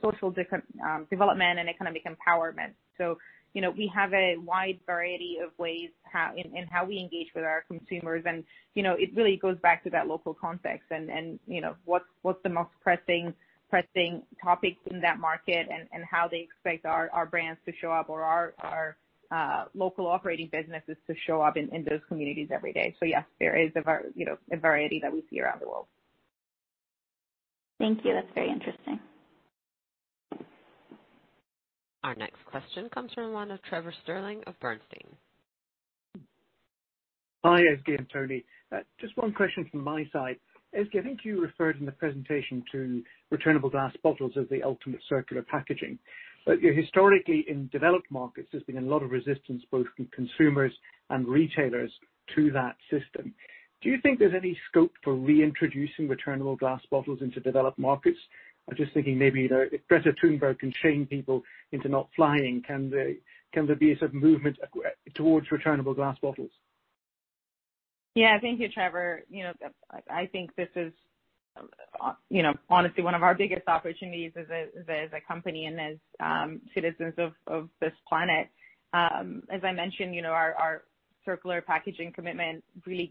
S3: social development and economic empowerment. We have a wide variety of ways in how we engage with our consumers, and it really goes back to that local context and what's the most pressing topics in that market and how they expect our brands to show up or our local operating businesses to show up in those communities every day. Yes, there is a variety that we see around the world. Thank you. That's very interesting.
S1: Our next question comes from the line of Trevor Stirling of Bernstein.
S7: Hi, Ezgi and Tony. Just one question from my side. Ezgi, I think you referred in the presentation to returnable glass bottles as the ultimate circular packaging. Historically, in developed markets, there has been a lot of resistance, both from consumers and retailers to that system. Do you think there is any scope for reintroducing returnable glass bottles into developed markets? I am just thinking maybe if Greta Thunberg can shame people into not flying, can there be a sort of movement towards returnable glass bottles?
S3: Thank you, Trevor. I think this is honestly one of our biggest opportunities as a company and as citizens of this planet. As I mentioned, our circular packaging commitment really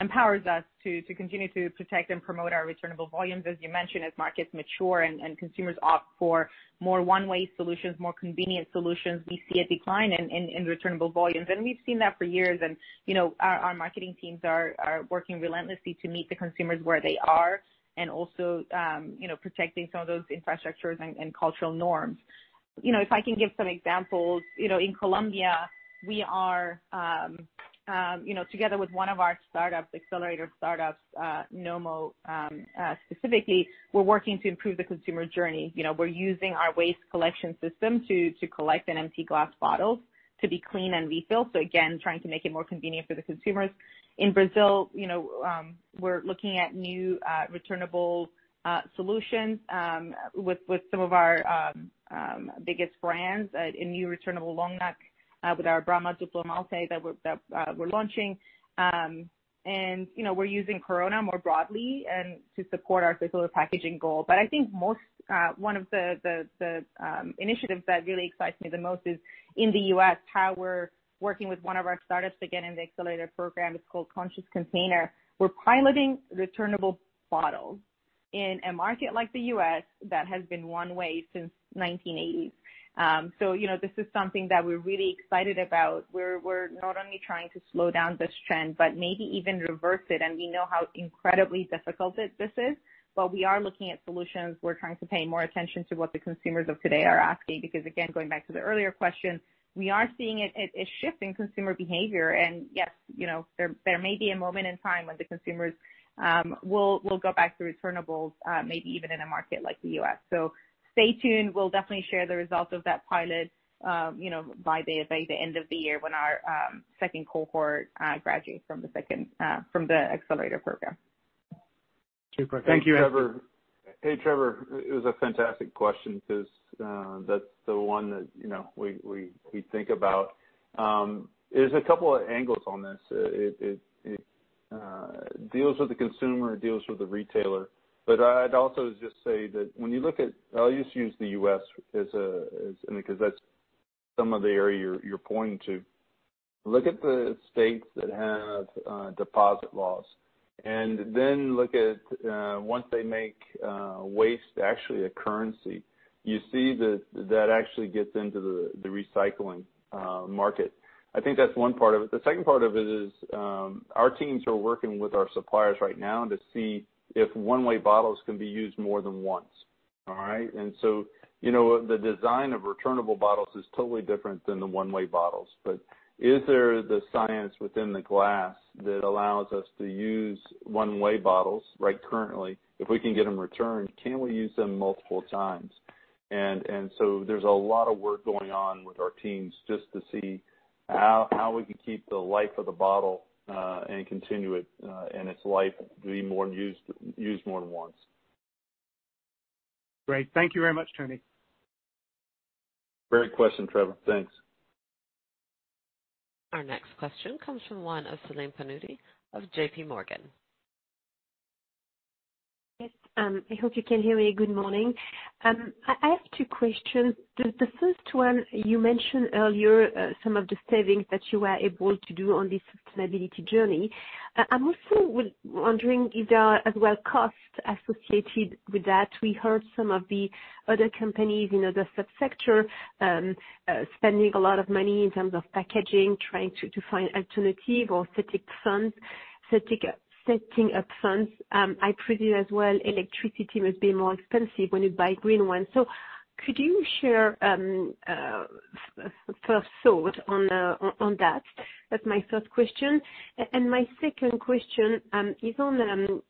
S3: empowers us to continue to protect and promote our returnable volumes. As you mentioned, as markets mature and consumers opt for more one-way solutions, more convenient solutions, we see a decline in returnable volumes. We've seen that for years, and our marketing teams are working relentlessly to meet the consumers where they are and also protecting some of those infrastructures and cultural norms. If I can give some examples. In Colombia, together with one of our accelerator startups, Nomo, specifically, we're working to improve the consumer journey. We're using our waste collection system to collect an empty glass bottle to be cleaned and refilled. Again, trying to make it more convenient for the consumers. In Brazil, we're looking at new returnable solutions with some of our biggest brands. A new returnable long neck with our Brahma Duplo Malte that we're launching. We're using Corona more broadly to support our circular packaging goal. I think one of the initiatives that really excites me the most is in the U.S., how we're working with one of our startups, again, in the accelerator program. It's called Conscious Container. We're piloting returnable bottles in a market like the U.S. that has been one way since 1980. This is something that we're really excited about. We're not only trying to slow down this trend, but maybe even reverse it. We know how incredibly difficult this is, but we are looking at solutions. We're trying to pay more attention to what the consumers of today are asking. Again, going back to the earlier question, we are seeing a shift in consumer behavior. Yes, there may be a moment in time when the consumers will go back to returnables, maybe even in a market like the U.S. Stay tuned. We'll definitely share the results of that pilot by the end of the year when our second cohort graduates from the Accelerator Program.
S7: Super. Thank you.
S2: Hey, Trevor. It was a fantastic question because that's the one that we think about. There's a couple of angles on this. It deals with the consumer, it deals with the retailer. I'd also just say that when you look at, I'll just use the U.S. because that's some of the area you're pointing to. Look at the states that have deposit laws and then look at once they make waste actually a currency, you see that that actually gets into the recycling market. I think that's one part of it. The second part of it is our teams are working with our suppliers right now to see if one-way bottles can be used more than once. All right? The design of returnable bottles is totally different than the one-way bottles. Is there the science within the glass that allows us to use one-way bottles, currently, if we can get them returned, can we use them multiple times? There's a lot of work going on with our teams just to see how we can keep the life of the bottle and continue it in its life, being used more than once.
S7: Great. Thank you very much, Tony.
S2: Great question, Trevor. Thanks.
S1: Our next question comes from one of Celine Pannuti of JPMorgan.
S8: Yes. I hope you can hear me. Good morning. I have two questions. The first one, you mentioned earlier some of the savings that you were able to do on this sustainability journey. I'm also wondering if there are as well costs associated with that. We heard some of the other companies in other sub-sector spending a lot of money in terms of packaging, trying to find alternative or setting up funds. I presume as well electricity must be more expensive when you buy green one. Could you share a first thought on that? That's my first question. My second question is on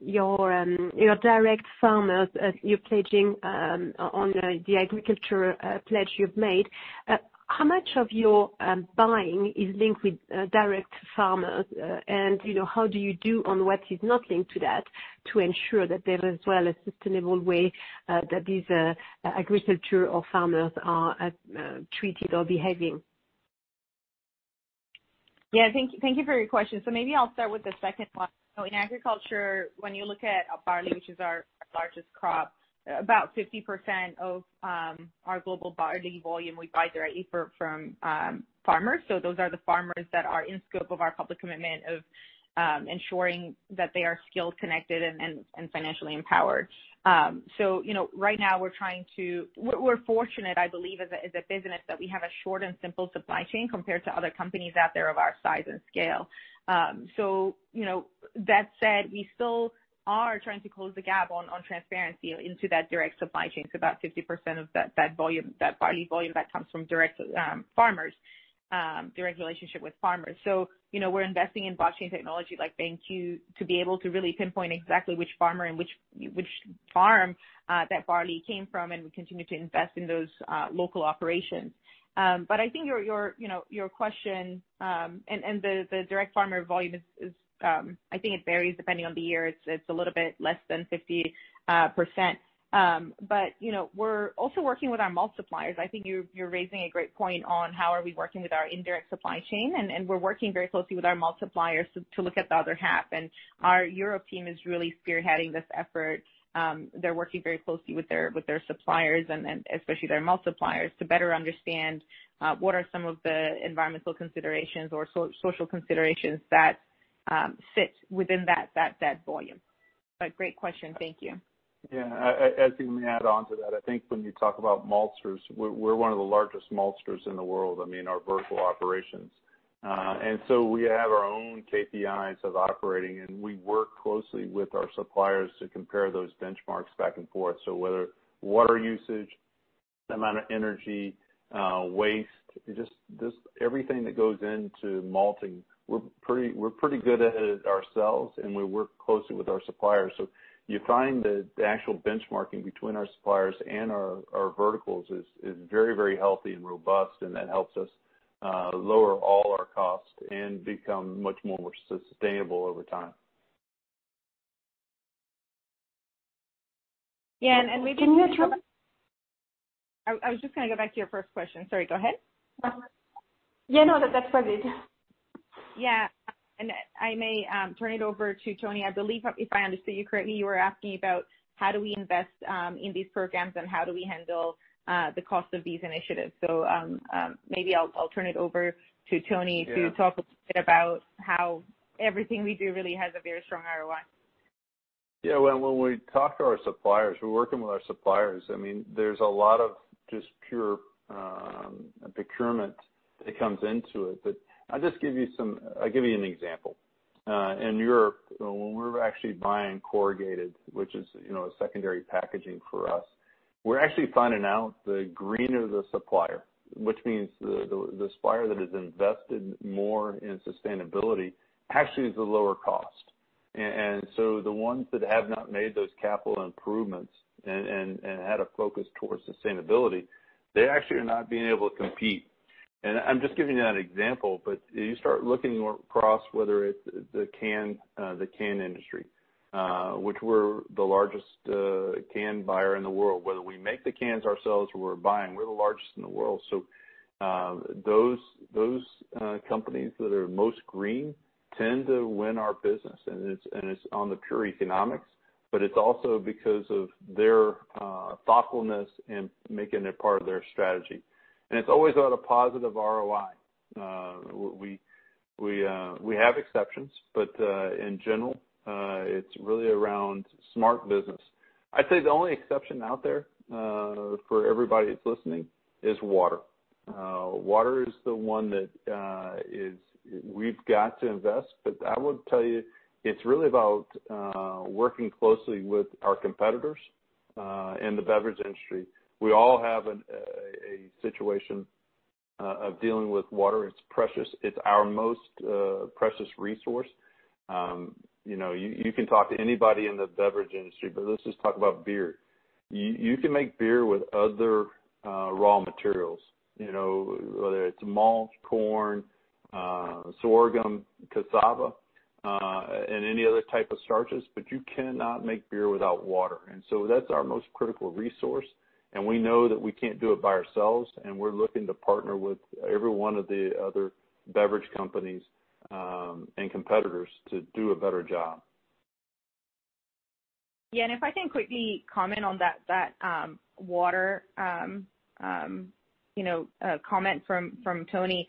S8: your direct farmers, you pledging on the agriculture pledge you've made. How much of your buying is linked with direct farmers? How do you do on what is not linked to that to ensure that there is well a sustainable way that these agriculture or farmers are treated or behaving?
S3: Yeah. Thank you for your question. Maybe I'll start with the second one. In agriculture, when you look at barley, which is our largest crop, about 50% of our global barley volume, we buy directly from farmers. Those are the farmers that are in scope of our public commitment of ensuring that they are skilled, connected, and financially empowered. Right now we're fortunate, I believe, as a business, that we have a short and simple supply chain compared to other companies out there of our size and scale. That said, we still are trying to close the gap on transparency into that direct supply chain, so about 50% of that barley volume that comes from direct farmers, direct relationship with farmers. We're investing in blockchain technology like BanQu to be able to really pinpoint exactly which farmer and which farm that barley came from, and we continue to invest in those local operations. I think your question and the direct farmer volume is, I think it varies depending on the year. It's a little bit less than 50%. We're also working with our malt suppliers. I think you're raising a great point on how are we working with our indirect supply chain, and we're working very closely with our malt suppliers to look at the other half. Our Europe team is really spearheading this effort. They're working very closely with their suppliers and especially their malt suppliers to better understand what are some of the environmental considerations or social considerations that sit within that volume. Great question. Thank you.
S2: Yeah. Ezgi, let me add on to that. I think when you talk about maltsters, we're one of the largest maltsters in the world. I mean, our vertical operations. We have our own KPIs of operating, and we work closely with our suppliers to compare those benchmarks back and forth. Whether water usage, the amount of energy, waste, just everything that goes into malting, we're pretty good at it ourselves, and we work closely with our suppliers. You find that the actual benchmarking between our suppliers and our verticals is very healthy and robust, and that helps us lower all our costs and become much more sustainable over time.
S3: Yeah.
S8: Can you? [CROSSTALK]
S3: I was just going to go back to your first question. Sorry. Go ahead.
S8: Yeah, no, that's perfect.
S3: Yeah. I may turn it over to Tony. I believe if I understood you correctly, you were asking about how do we invest in these programs and how do we handle the cost of these initiatives. Maybe I'll turn it over to Tony to talk a little bit about how everything we do really has a very strong ROI.
S2: Yeah. When we talk to our suppliers, we're working with our suppliers. There's a lot of just pure procurement that comes into it. I'll give you an example. In Europe, when we're actually buying corrugated, which is a secondary packaging for us, we're actually finding out the greener the supplier, which means the supplier that has invested more in sustainability, actually is the lower cost. The ones that have not made those capital improvements and had a focus towards sustainability, they actually are not being able to compete. I'm just giving you that example, you start looking across, whether it's the can industry, which we're the largest can buyer in the world, whether we make the cans ourselves or we're buying, we're the largest in the world. Those companies that are most green tend to win our business, and it's on the pure economics, but it's also because of their thoughtfulness in making it part of their strategy. It's always about a positive ROI. We have exceptions, but, in general, it's really around smart business. I'd say the only exception out there, for everybody that's listening, is water. Water is the one that we've got to invest. I would tell you, it's really about working closely with our competitors in the beverage industry. We all have a situation of dealing with water. It's precious. It's our most precious resource. You can talk to anybody in the beverage industry, but let's just talk about beer. You can make beer with other raw materials, whether it's malt, corn, sorghum, cassava, and any other type of starches, but you cannot make beer without water. That's our most critical resource, and we know that we can't do it by ourselves, and we're looking to partner with every one of the other beverage companies, and competitors to do a better job.
S3: If I can quickly comment on that water comment from Tony.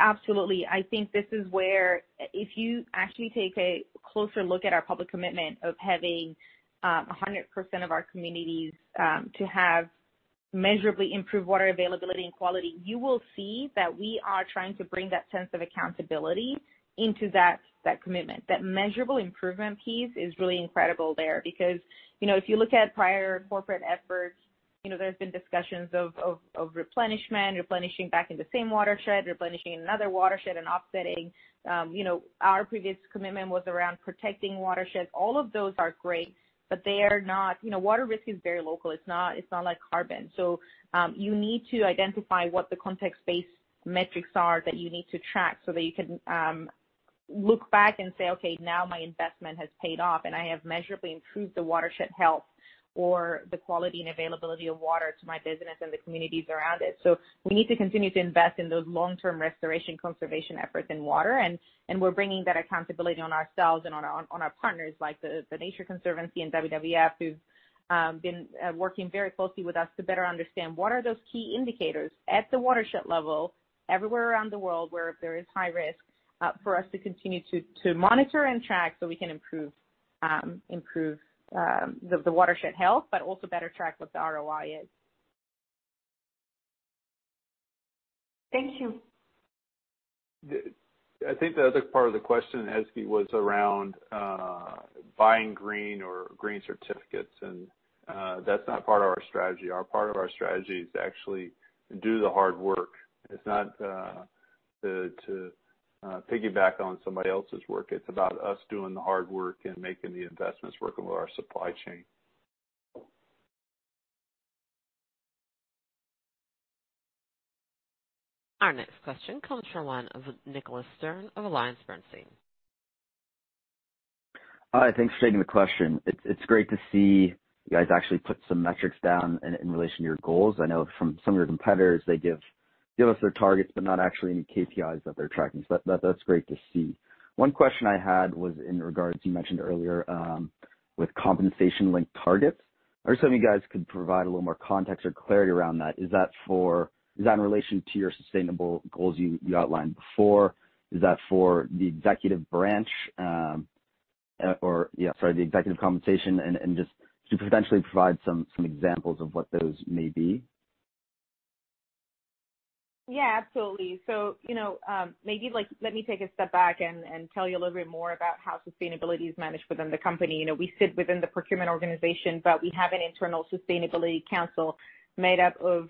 S3: Absolutely, I think this is where, if you actually take a closer look at our public commitment of having 100% of our communities to have measurably improved water availability and quality, you will see that we are trying to bring that sense of accountability into that commitment. That measurable improvement piece is really incredible there because if you look at prior corporate efforts, there's been discussions of replenishment, replenishing back in the same watershed, replenishing another watershed and offsetting. Our previous commitment was around protecting watersheds. All of those are great. Water risk is very local. It's not like carbon. You need to identify what the context-based metrics are that you need to track so that you can look back and say, okay, now my investment has paid off, and I have measurably improved the watershed health or the quality and availability of water to my business and the communities around it. We need to continue to invest in those long-term restoration conservation efforts in water, and we're bringing that accountability on ourselves and on our partners like The Nature Conservancy and WWF, who've been working very closely with us to better understand what are those key indicators at the watershed level everywhere around the world where there is high risk for us to continue to monitor and track so we can improve the watershed health, but also better track what the ROI is.
S8: Thank you.
S2: I think the other part of the question, Ezgi, was around buying green or green certificates. That's not part of our strategy. Our part of our strategy is to actually do the hard work. It's not to piggyback on somebody else's work. It's about us doing the hard work and making the investments, working with our supply chain.
S1: Our next question comes from the line of Nicholas Stern of AllianceBernstein.
S9: Hi, thanks for taking the question. It's great to see you guys actually put some metrics down in relation to your goals. I know from some of your competitors, they give us their targets, but not actually any KPIs that they're tracking. That's great to see. One question I had was in regards, you mentioned earlier, with compensation-linked targets. I was hoping you guys could provide a little more context or clarity around that. Is that in relation to your sustainable goals you outlined before? Is that for the executive branch, the executive compensation, and just to potentially provide some examples of what those may be?
S3: Absolutely. Maybe let me take a step back and tell you a little bit more about how sustainability is managed within the company. We sit within the procurement organization, but we have an internal sustainability council made up of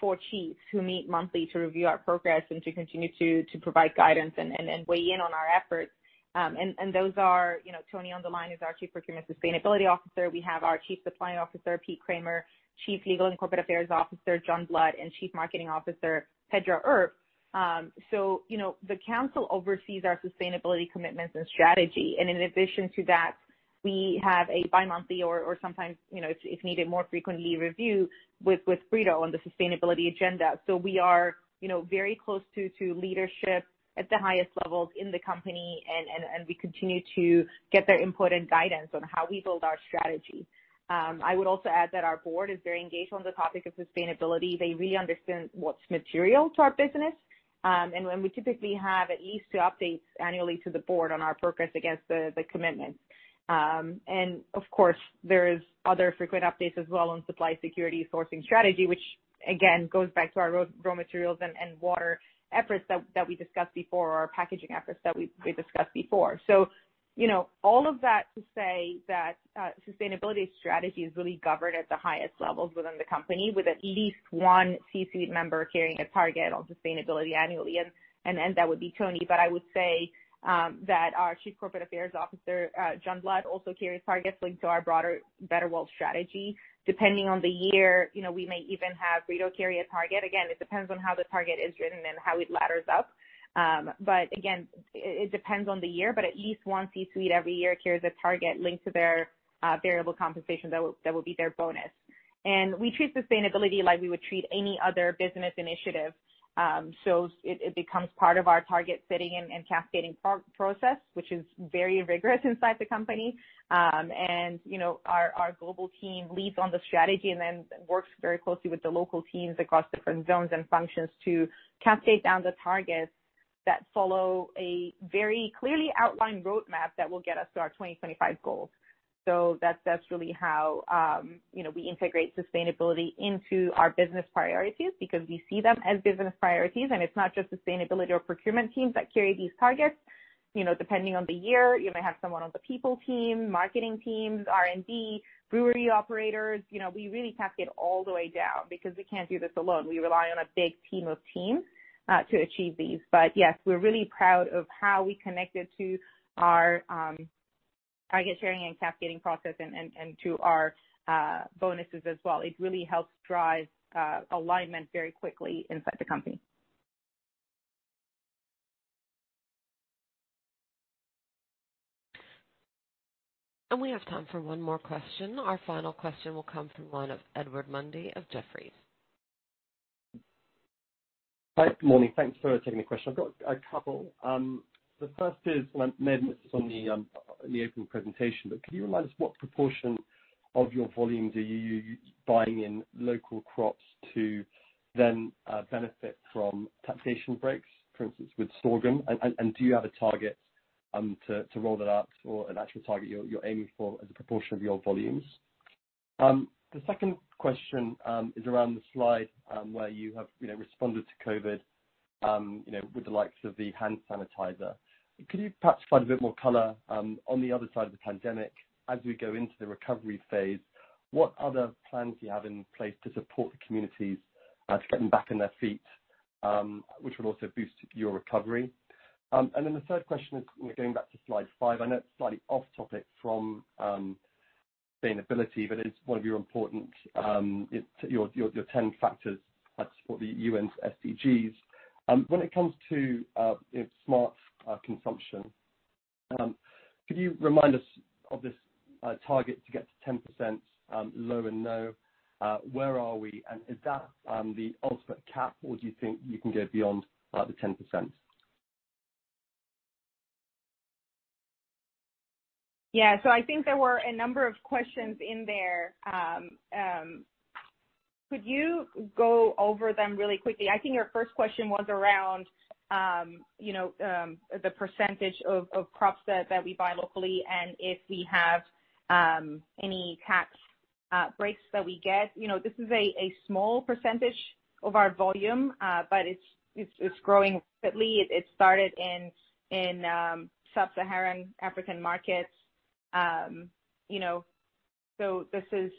S3: four chiefs who meet monthly to review our progress and to continue to provide guidance and weigh in on our efforts. Those are Tony Milikin, who's our Chief Procurement Sustainability Officer. We have our Chief Supply Officer, Peter Kraemer, Chief Legal and Corporate Affairs Officer, John Blood, and Chief Marketing Officer, Pedro Earp. The council oversees our sustainability commitments and strategy, and in addition to that, we have a bi-monthly or sometimes, if needed, more frequently review with Brito on the sustainability agenda. We are very close to leadership at the highest levels in the company, and we continue to get their input and guidance on how we build our strategy. I would also add that our board is very engaged on the topic of sustainability. They really understand what's material to our business. When we typically have at least two updates annually to the board on our progress against the commitments. Of course, there's other frequent updates as well on supply security sourcing strategy, which again, goes back to our raw materials and water efforts that we discussed before, our packaging efforts that we discussed before. All of that to say that, sustainability strategy is really governed at the highest levels within the company, with at least one C-suite member carrying a target on sustainability annually. That would be Tony. I would say that our Chief Corporate Affairs Officer, John Blood, also carries targets linked to our broader Better World strategy. Depending on the year, we may even have Brito carry a target. It depends on how the target is written and how it ladders up. It depends on the year, but at least one C-suite every year carries a target linked to their variable compensation, that will be their bonus. We treat sustainability like we would treat any other business initiative. It becomes part of our target setting and cascading process, which is very rigorous inside the company. Our global team leads on the strategy and then works very closely with the local teams across different zones and functions to cascade down the targets that follow a very clearly outlined roadmap that will get us to our 2025 goals. That's really how we integrate sustainability into our business priorities, because we see them as business priorities, and it's not just sustainability or procurement teams that carry these targets. Depending on the year, you may have someone on the people team, marketing teams, R&D, brewery operators. We really cascade all the way down, because we can't do this alone. We rely on a big team of teams to achieve these. Yes, we're really proud of how we connect it to our target sharing and cascading process and to our bonuses as well. It really helps drive alignment very quickly inside the company.
S1: We have time for one more question. Our final question will come from one Edward Mundy of Jefferies.
S10: Hi. Good morning. Thanks for taking the question. I've got a couple. The first is, Ned mentioned this on the opening presentation, but can you remind us what proportion of your volumes are you buying in local crops to then benefit from taxation breaks, for instance, with sorghum? Do you have a target to roll that out or an actual target you're aiming for as a proportion of your volumes? The second question is around the slide where you have responded to COVID with the likes of the hand sanitizer. Could you perhaps provide a bit more color on the other side of the pandemic as we go into the recovery phase, what other plans do you have in place to support the communities to get them back on their feet, which would also boost your recovery? Then the third question is, going back to slide five, I know it's slightly off-topic from sustainability, but it's one of your important 10 factors that support the U.N.'s SDGs. When it comes to smart consumption, could you remind us of this target to get to 10% low and no? Where are we? Is that the ultimate cap, or do you think you can go beyond the 10%?
S3: Yeah. I think there were a number of questions in there. Could you go over them really quickly? I think your first question was around the percentage of crops that we buy locally and if we have any tax breaks that we get. This is a small percentage of our volume, but it's growing rapidly. It started in sub-Saharan African markets. This is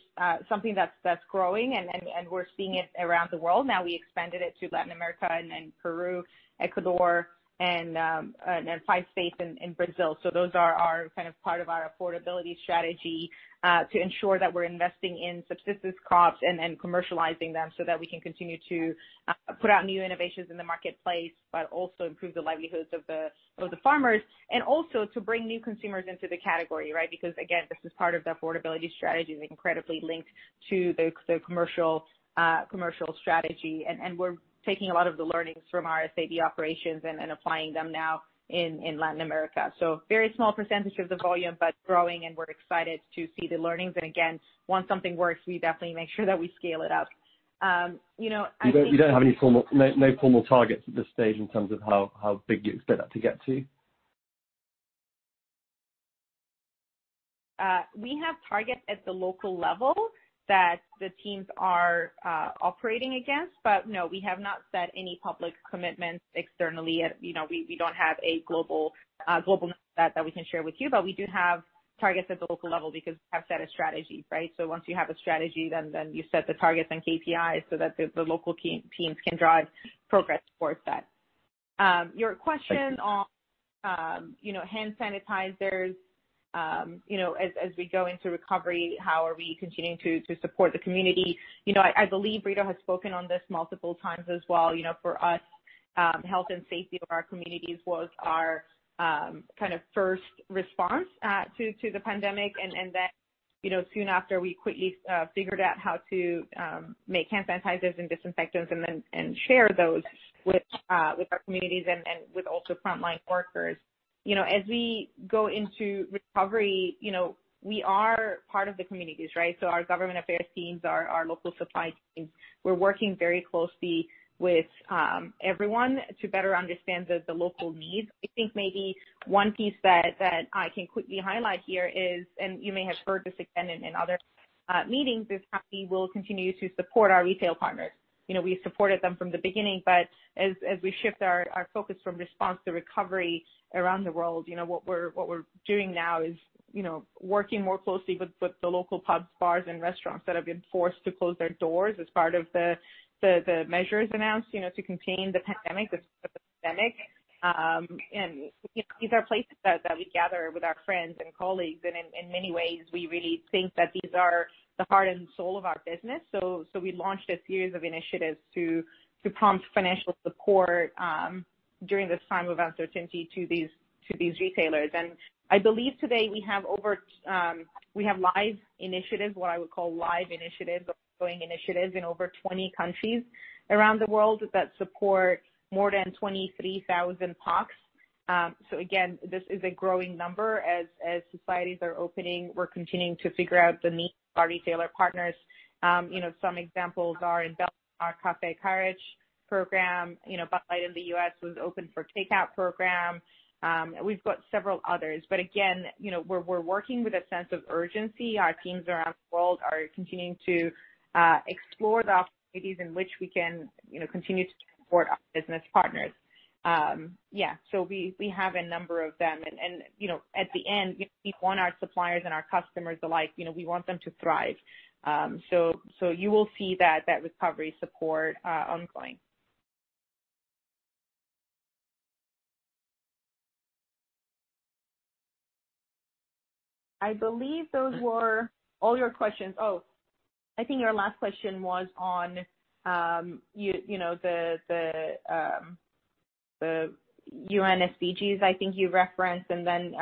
S3: something that's growing, and we're seeing it around the world now. We expanded it to Latin America and then Peru, Ecuador, and five states in Brazil. Those are kind of part of our affordability strategy, to ensure that we're investing in subsistence crops and commercializing them so that we can continue to put out new innovations in the marketplace, but also improve the livelihoods of the farmers. Also to bring new consumers into the category, right? Again, this is part of the affordability strategy. It's incredibly linked to the commercial strategy, and we're taking a lot of the learnings from our SABMiller operations and applying them now in Latin America. Very small percentage of the volume, but growing, and we're excited to see the learnings. Again, once something works, we definitely make sure that we scale it up.
S10: You don't have any formal, no formal targets at this stage in terms of how big you expect that to get to?
S3: We have targets at the local level that the teams are operating against. No, we have not set any public commitments externally. We don't have a global number that we can share with you. We do have targets at the local level because we have set a strategy, right? Once you have a strategy, then you set the targets and KPIs so that the local teams can drive progress towards that. Your question on hand sanitizers, as we go into recovery, how are we continuing to support the community? I believe Brito has spoken on this multiple times as well. For us, the health and safety of our communities was our kind of first response to the pandemic. Soon after, we quickly figured out how to make hand sanitizers and disinfectants and share those with our communities and with also frontline workers. As we go into recovery, we are part of the communities, right? Our government affairs teams are our local supply teams. We're working very closely with everyone to better understand the local needs. I think maybe one piece that I can quickly highlight here is, and you may have heard this again in other meetings, is how we will continue to support our retail partners. We supported them from the beginning, but as we shift our focus from response to recovery around the world, what we're doing now is working more closely with the local pubs, bars, and restaurants that have been forced to close their doors as part of the measures announced to contain the pandemic. These are places that we gather with our friends and colleagues, and in many ways, we really think that these are the heart and soul of our business. We launched a series of initiatives to prompt financial support during this time of uncertainty to these retailers. I believe today we have live initiatives, what I would call live initiatives or ongoing initiatives in over 20 countries around the world that support more than 23,000 pubs. Again, this is a growing number. As societies are opening, we're continuing to figure out the needs of our retailer partners. Some examples are in Belgium, our Café Courage program. Bud Light in the U.S. was open for a takeout program. We've got several others. Again, we're working with a sense of urgency. Our teams around the world are continuing to explore the opportunities in which we can continue to support our business partners. Yeah. We have a number of them. At the end, we want our suppliers and our customers alike, we want them to thrive. You will see that recovery support ongoing. I believe those were all your questions. I think your last question was on the U.N. SDGs, I think you referenced, then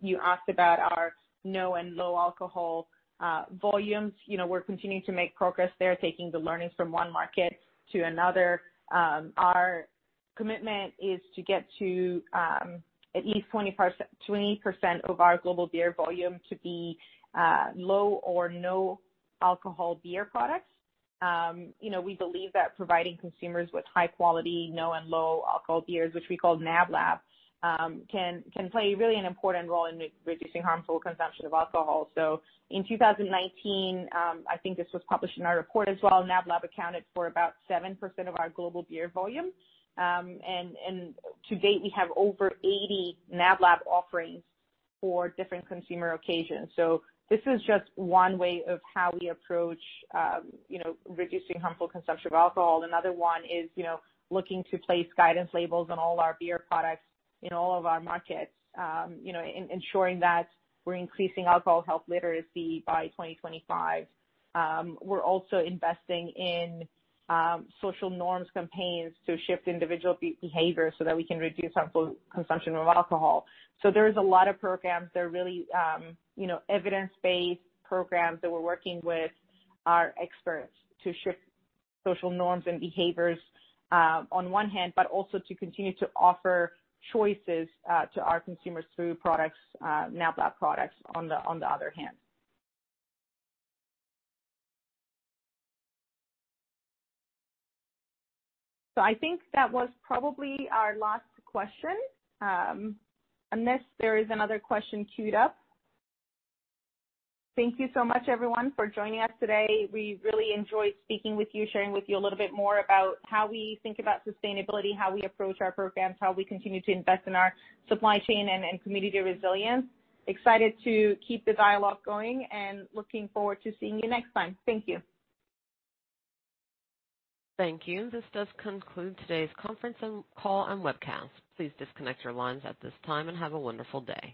S3: you asked about our no and low alcohol volumes. We're continuing to make progress there, taking the learnings from one market to another. Our commitment is to get to at least 20% of our global beer volume to be low or no alcohol beer products. We believe that providing consumers with high-quality, no and low alcohol beers, which we call NABLAB, can play really an important role in reducing harmful consumption of alcohol. In 2019, I think this was published in our report as well, NABLAB accounted for about 7% of our global beer volume. To date, we have over 80 NABLAB offerings for different consumer occasions. This is just one way of how we approach reducing harmful consumption of alcohol. Another one is looking to place guidance labels on all our beer products in all of our markets, ensuring that we're increasing alcohol health literacy by 2025. We're also investing in social norms campaigns to shift individual behavior so that we can reduce harmful consumption of alcohol. There is a lot of programs. They're really evidence-based programs that we're working with our experts to shift social norms and behaviors on one hand, but also to continue to offer choices to our consumers through products, NABLAB products, on the other hand. I think that was probably our last question, unless there is another question queued up. Thank you so much, everyone, for joining us today. We really enjoyed speaking with you, sharing with you a little bit more about how we think about sustainability, how we approach our programs, how we continue to invest in our supply chain and community resilience. Excited to keep the dialogue going and looking forward to seeing you next time. Thank you.
S1: Thank you. This does conclude today's conference call and webcast. Please disconnect your lines at this time and have a wonderful day.